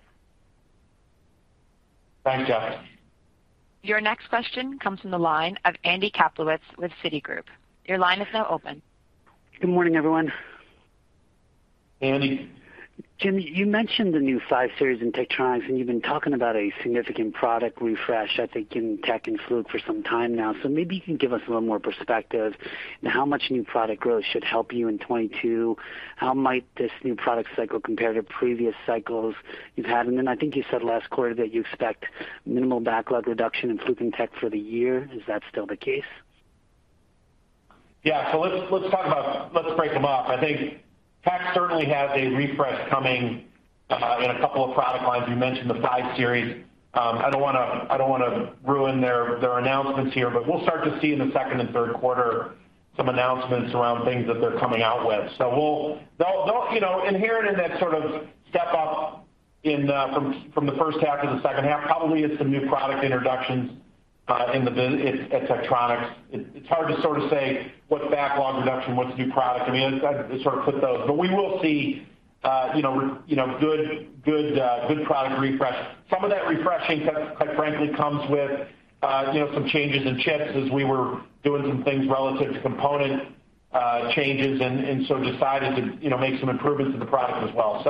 Thanks, Jeff. Your next question comes from the line of Andy Kaplowitz with Citigroup. Your line is now open. Good morning, everyone. Andy. Jim, you mentioned the new Five series in Tektronix, and you've been talking about a significant product refresh, I think, in Tektronix and Fluke for some time now. Maybe you can give us a little more perspective on how much new product growth should help you in 2022. How might this new product cycle compare to previous cycles you've had? Then I think you said last quarter that you expect minimal backlog reduction in Fluke and Tektronix for the year. Is that still the case? Yeah. Let's break them up. I think tech certainly has a refresh coming in a couple of product lines. You mentioned the five series. I don't wanna ruin their announcements here, but we'll start to see in the second and Q3 some announcements around things that they're coming out with. They'll, you know, inherent in that sort of step up from the first half to the second half probably is some new product introductions in the business at Tektronix. It's hard to sort of say what's backlog reduction, what's new product. I mean, I sort of put those. We will see good product refresh. Some of that refreshing, quite frankly, comes with you know, some changes in chips as we were doing some things relative to component changes and so decided to you know, make some improvements to the product as well.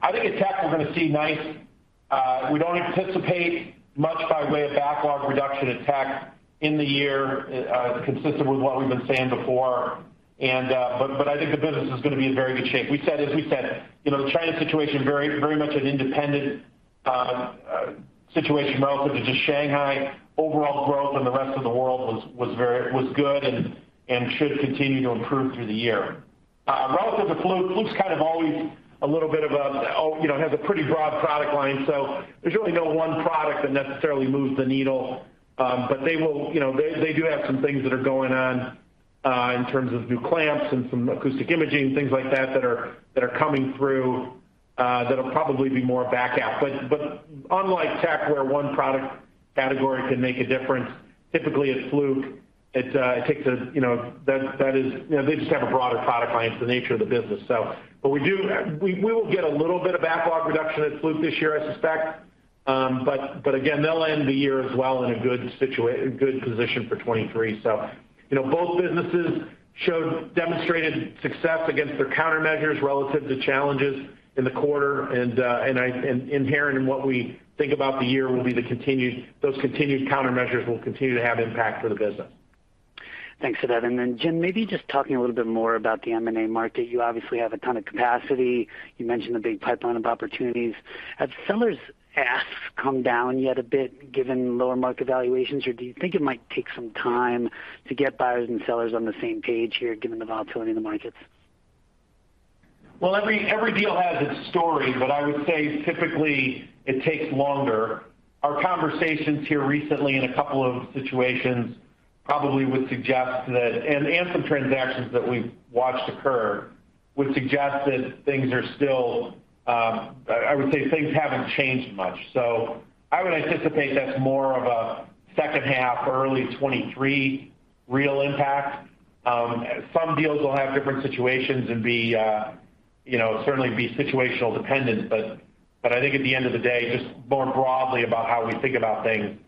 I think at Tech, we don't anticipate much by way of backlog reduction at Tech in the year, consistent with what we've been saying before. I think the business is gonna be in very good shape. As we said, you know, the China situation very much an independent situation relative to just Shanghai. Overall growth in the rest of the world was very good and should continue to improve through the year. Relative to Fluke's kind of always a little bit of a, you know, has a pretty broad product line, so there's really no one product that necessarily moves the needle. They will, you know, they do have some things that are going on in terms of new clamps and some acoustic imaging, things like that are coming through, that'll probably be more back half. Unlike Tech, where one product category can make a difference, typically at Fluke, it takes a, you know, that is, you know, they just have a broader product line. It's the nature of the business. We will get a little bit of backlog reduction at Fluke this year, I suspect. They'll end the year as well in a good position for 2023. You know, both businesses showed demonstrated success against their countermeasures relative to challenges in the quarter. Inherent in what we think about the year will be those continued countermeasures will continue to have impact for the business. Thanks for that. Jim, maybe just talking a little bit more about the M&A market. You obviously have a ton of capacity. You mentioned a big pipeline of opportunities. Have sellers' asks come down yet a bit given lower market valuations? Or do you think it might take some time to get buyers and sellers on the same page here given the volatility in the markets? Well, every deal has its story, but I would say typically it takes longer. Our conversations here recently in a couple of situations probably would suggest that, and some transactions that we've watched occur would suggest that things are still, I would say things haven't changed much. I would anticipate that's more of a second half, early 2023 real impact. Some deals will have different situations and be, you know, certainly be situational dependent, but I think at the end of the day, just more broadly about how we think about things,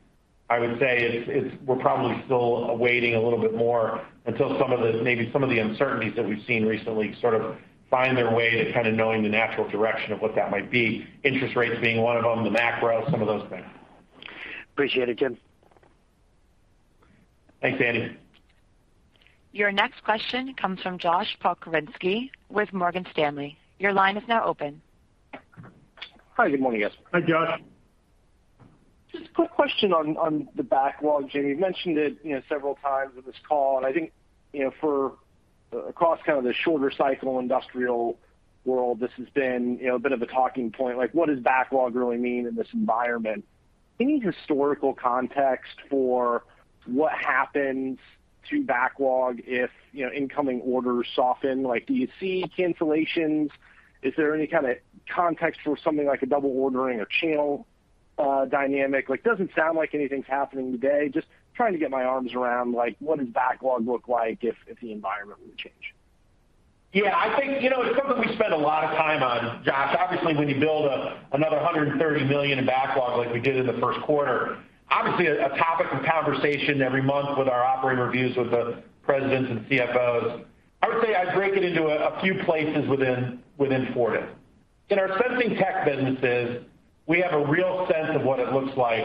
I would say we're probably still awaiting a little bit more until some of the uncertainties that we've seen recently sort of find their way to kind of knowing the natural direction of what that might be. Interest rates being one of them, the macro, some of those things. Appreciate it, Jim. Thanks, Andy. Your next question comes from Josh Pokrzywinski with Morgan Stanley. Your line is now open. Hi, good morning, guys. Hi, Josh. Just a quick question on the backlog, Jim. You mentioned it, you know, several times on this call, and I think, you know, for across kind of the shorter cycle industrial world, this has been, you know, a bit of a talking point, like, what does backlog really mean in this environment? Any historical context for what happens to backlog if, you know, incoming orders soften? Like, do you see cancellations? Is there any kind of context for something like a double ordering or channel dynamic? Like, doesn't sound like anything's happening today. Just trying to get my arms around, like, what does backlog look like if the environment were to change? Yeah, I think, you know, it's something we spend a lot of time on, Josh. Obviously, when you build another $130 million in backlog like we did in the Q1, obviously a topic of conversation every month with our operating reviews with the presidents and CFOs. I would say I'd break it into a few places within Fortive. In our sensing tech businesses, we have a real sense of what it looks like.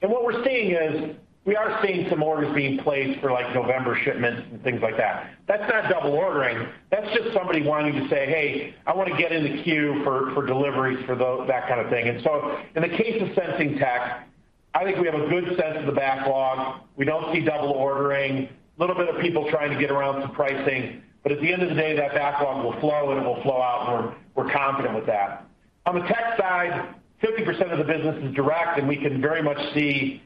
What we're seeing is we are seeing some orders being placed for like November shipments and things like that. That's not double ordering. That's just somebody wanting to say, "Hey, I wanna get in the queue for deliveries for that kind of thing." In the case of sensing tech, I think we have a good sense of the backlog. We don't see double ordering. Little bit of people trying to get around some pricing. At the end of the day, that backlog will flow, and it will flow out, and we're confident with that. On the tech side, 50% of the business is direct, and we can very much see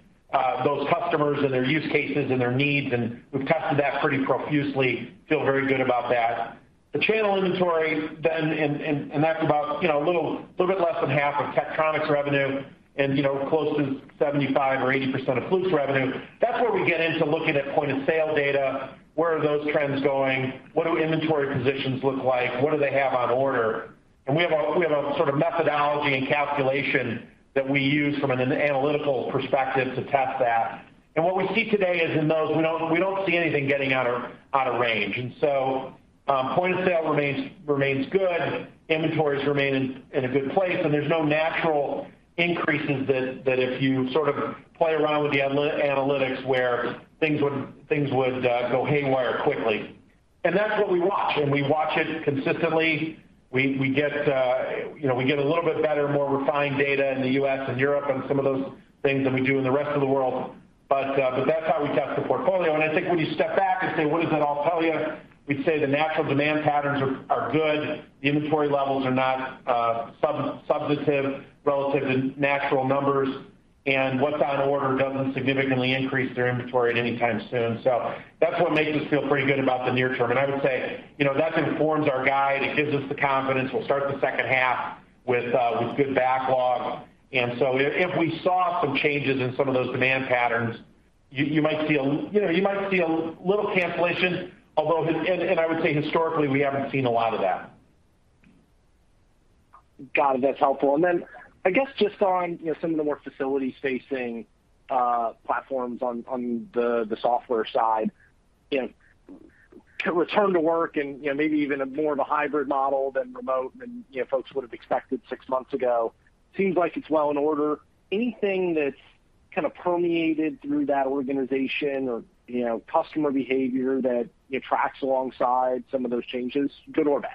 those customers and their use cases and their needs, and we've tested that pretty profusely. Feel very good about that. The channel inventory then, and that's about, you know, a little bit less than half of Tektronix revenue and, you know, close to 75% or 80% of Fluke's revenue. That's where we get into looking at point-of-sale data. Where are those trends going? What do inventory positions look like? What do they have on order? We have a sort of methodology and calculation that we use from an analytical perspective to test that. What we see today is, in those, we don't see anything getting out of range. Point of sale remains good. Inventories remain in a good place, and there's no natural increases that if you sort of play around with the analytics where things would go haywire quickly. That's what we watch, and we watch it consistently. We get you know a little bit better, more refined data in the US and Europe on some of those things than we do in the rest of the world. But that's how we test the portfolio. I think when you step back and say, "What does that all tell you?" We'd say the natural demand patterns are good. The inventory levels are not substantive relative to natural numbers. What's on order doesn't significantly increase their inventory at any time soon. That's what makes us feel pretty good about the near term. I would say, you know, that informs our guide. It gives us the confidence. We'll start the second half with good backlog. If we saw some changes in some of those demand patterns, you might see a little cancellation, you know, although, and I would say historically, we haven't seen a lot of that. Got it. That's helpful. I guess just on, you know, some of the more facilities-facing platforms on the software side, you know, return to work and, you know, maybe even a more of a hybrid model than remote than, you know, folks would have expected six months ago. Seems like it's well in order. Anything that's kind of permeated through that organization or, you know, customer behavior that you track alongside some of those changes, good or bad?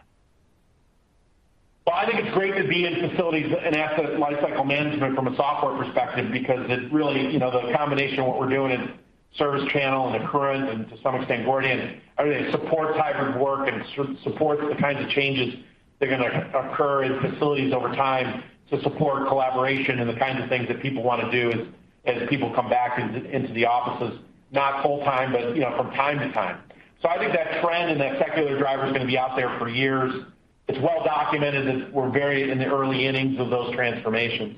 Well, I think it's great to be in facilities and asset lifecycle management from a software perspective because it really, you know, the combination of what we're doing in ServiceChannel and Accruent and to some extent, Gordian, I think it supports hybrid work and supports the kinds of changes that are gonna occur in facilities over time to support collaboration and the kinds of things that people wanna do as people come back into the offices, not full-time, but, you know, from time to time. I think that trend and that secular driver is gonna be out there for years. It's well documented that we're very in the early innings of those transformations.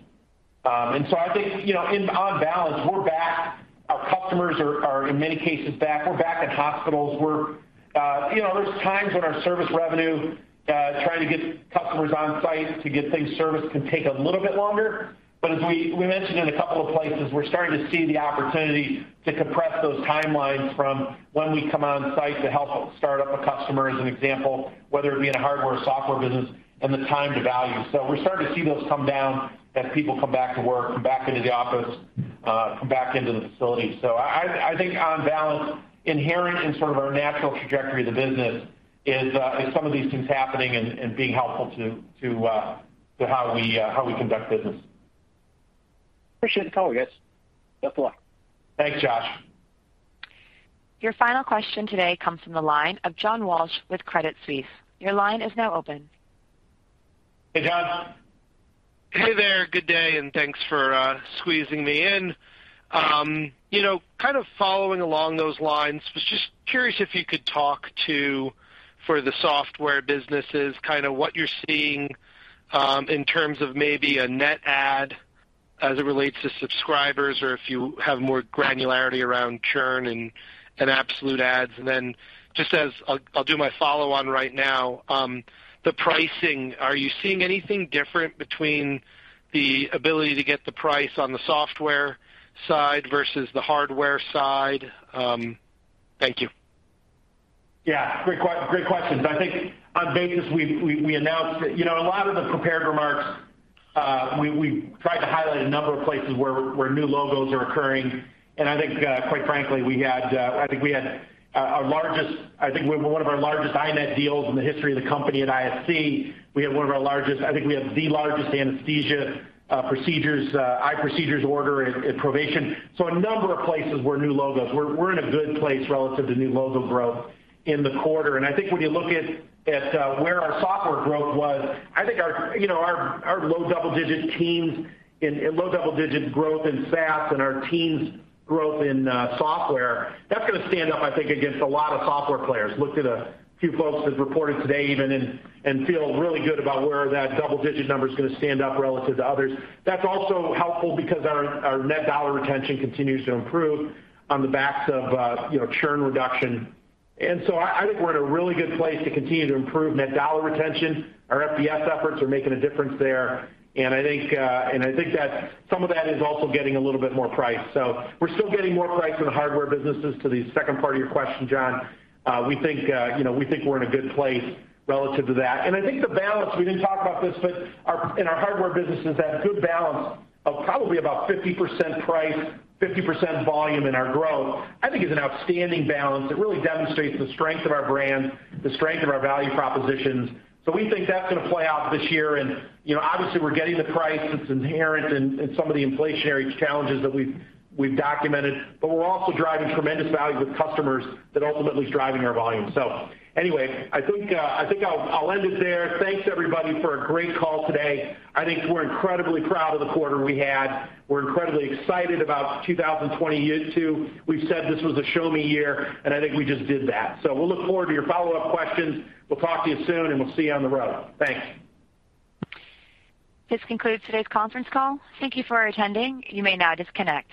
I think, you know, on balance, we're back. Our customers are in many cases back. We're back in hospitals. We're, you know, there's times when our service revenue, trying to get customers on site to get things serviced, can take a little bit longer. As we mentioned in a couple of places, we're starting to see the opportunity to compress those timelines from when we come on site to help start up a customer, as an example, whether it be in a hardware or software business and the time to value. We're starting to see those come down as people come back to work, come back into the office, come back into the facility. I think on balance, inherent in sort of our natural trajectory of the business is some of these things happening and being helpful to how we conduct business. Appreciate the color, guys. Best of luck. Thanks, Josh. Your final question today comes from the line of John Walsh with Credit Suisse. Your line is now open. Hey, John. Hey there. Good day, and thanks for squeezing me in. You know, kind of following along those lines, was just curious if you could talk to, for the software businesses, kinda what you're seeing, in terms of maybe a net add. As it relates to subscribers or if you have more granularity around churn and absolute adds. Then just as I'll do my follow-on right now, the pricing, are you seeing anything different between the ability to get the price on the software side versus the hardware side? Thank you. Yeah, great question. I think on Vegas, we announced that, you know, a lot of the prepared remarks, we tried to highlight a number of places where new logos are occurring. I think, quite frankly, we had our largest, I think we have one of our largest iNet deals in the history of the company at ISC. We have one of our largest, I think we have the largest anesthesia iProcedures order in Provation. A number of places where new logos. We're in a good place relative to new logo growth in the quarter. I think when you look at where our software growth was, I think our, you know, our low double-digit teens and low double-digit growth in SaaS and our teens growth in software, that's gonna stand up, I think, against a lot of software players. Looked at a few folks that reported today even and feel really good about where that double-digit number is gonna stand up relative to others. That's also helpful because our net dollar retention continues to improve on the backs of, you know, churn reduction. I think we're in a really good place to continue to improve net dollar retention. Our FBS efforts are making a difference there. I think that some of that is also getting a little bit more price. We're still getting more price in the hardware businesses to the second part of your question, John. You know, we think we're in a good place relative to that. I think the balance, we didn't talk about this, but in our hardware businesses that good balance of probably about 50% price, 50% volume in our growth, I think is an outstanding balance that really demonstrates the strength of our brand, the strength of our value propositions. We think that's gonna play out this year. You know, obviously, we're getting the price that's inherent in some of the inflationary challenges that we've documented. We're also driving tremendous value with customers that ultimately is driving our volume. Anyway, I think I'll end it there. Thanks everybody for a great call today. I think we're incredibly proud of the quarter we had. We're incredibly excited about 2020 year. We've said this was a show me year, and I think we just did that. We'll look forward to your follow-up questions. We'll talk to you soon, and we'll see you on the road. Thanks. This concludes today's conference call. Thank you for attending. You may now disconnect.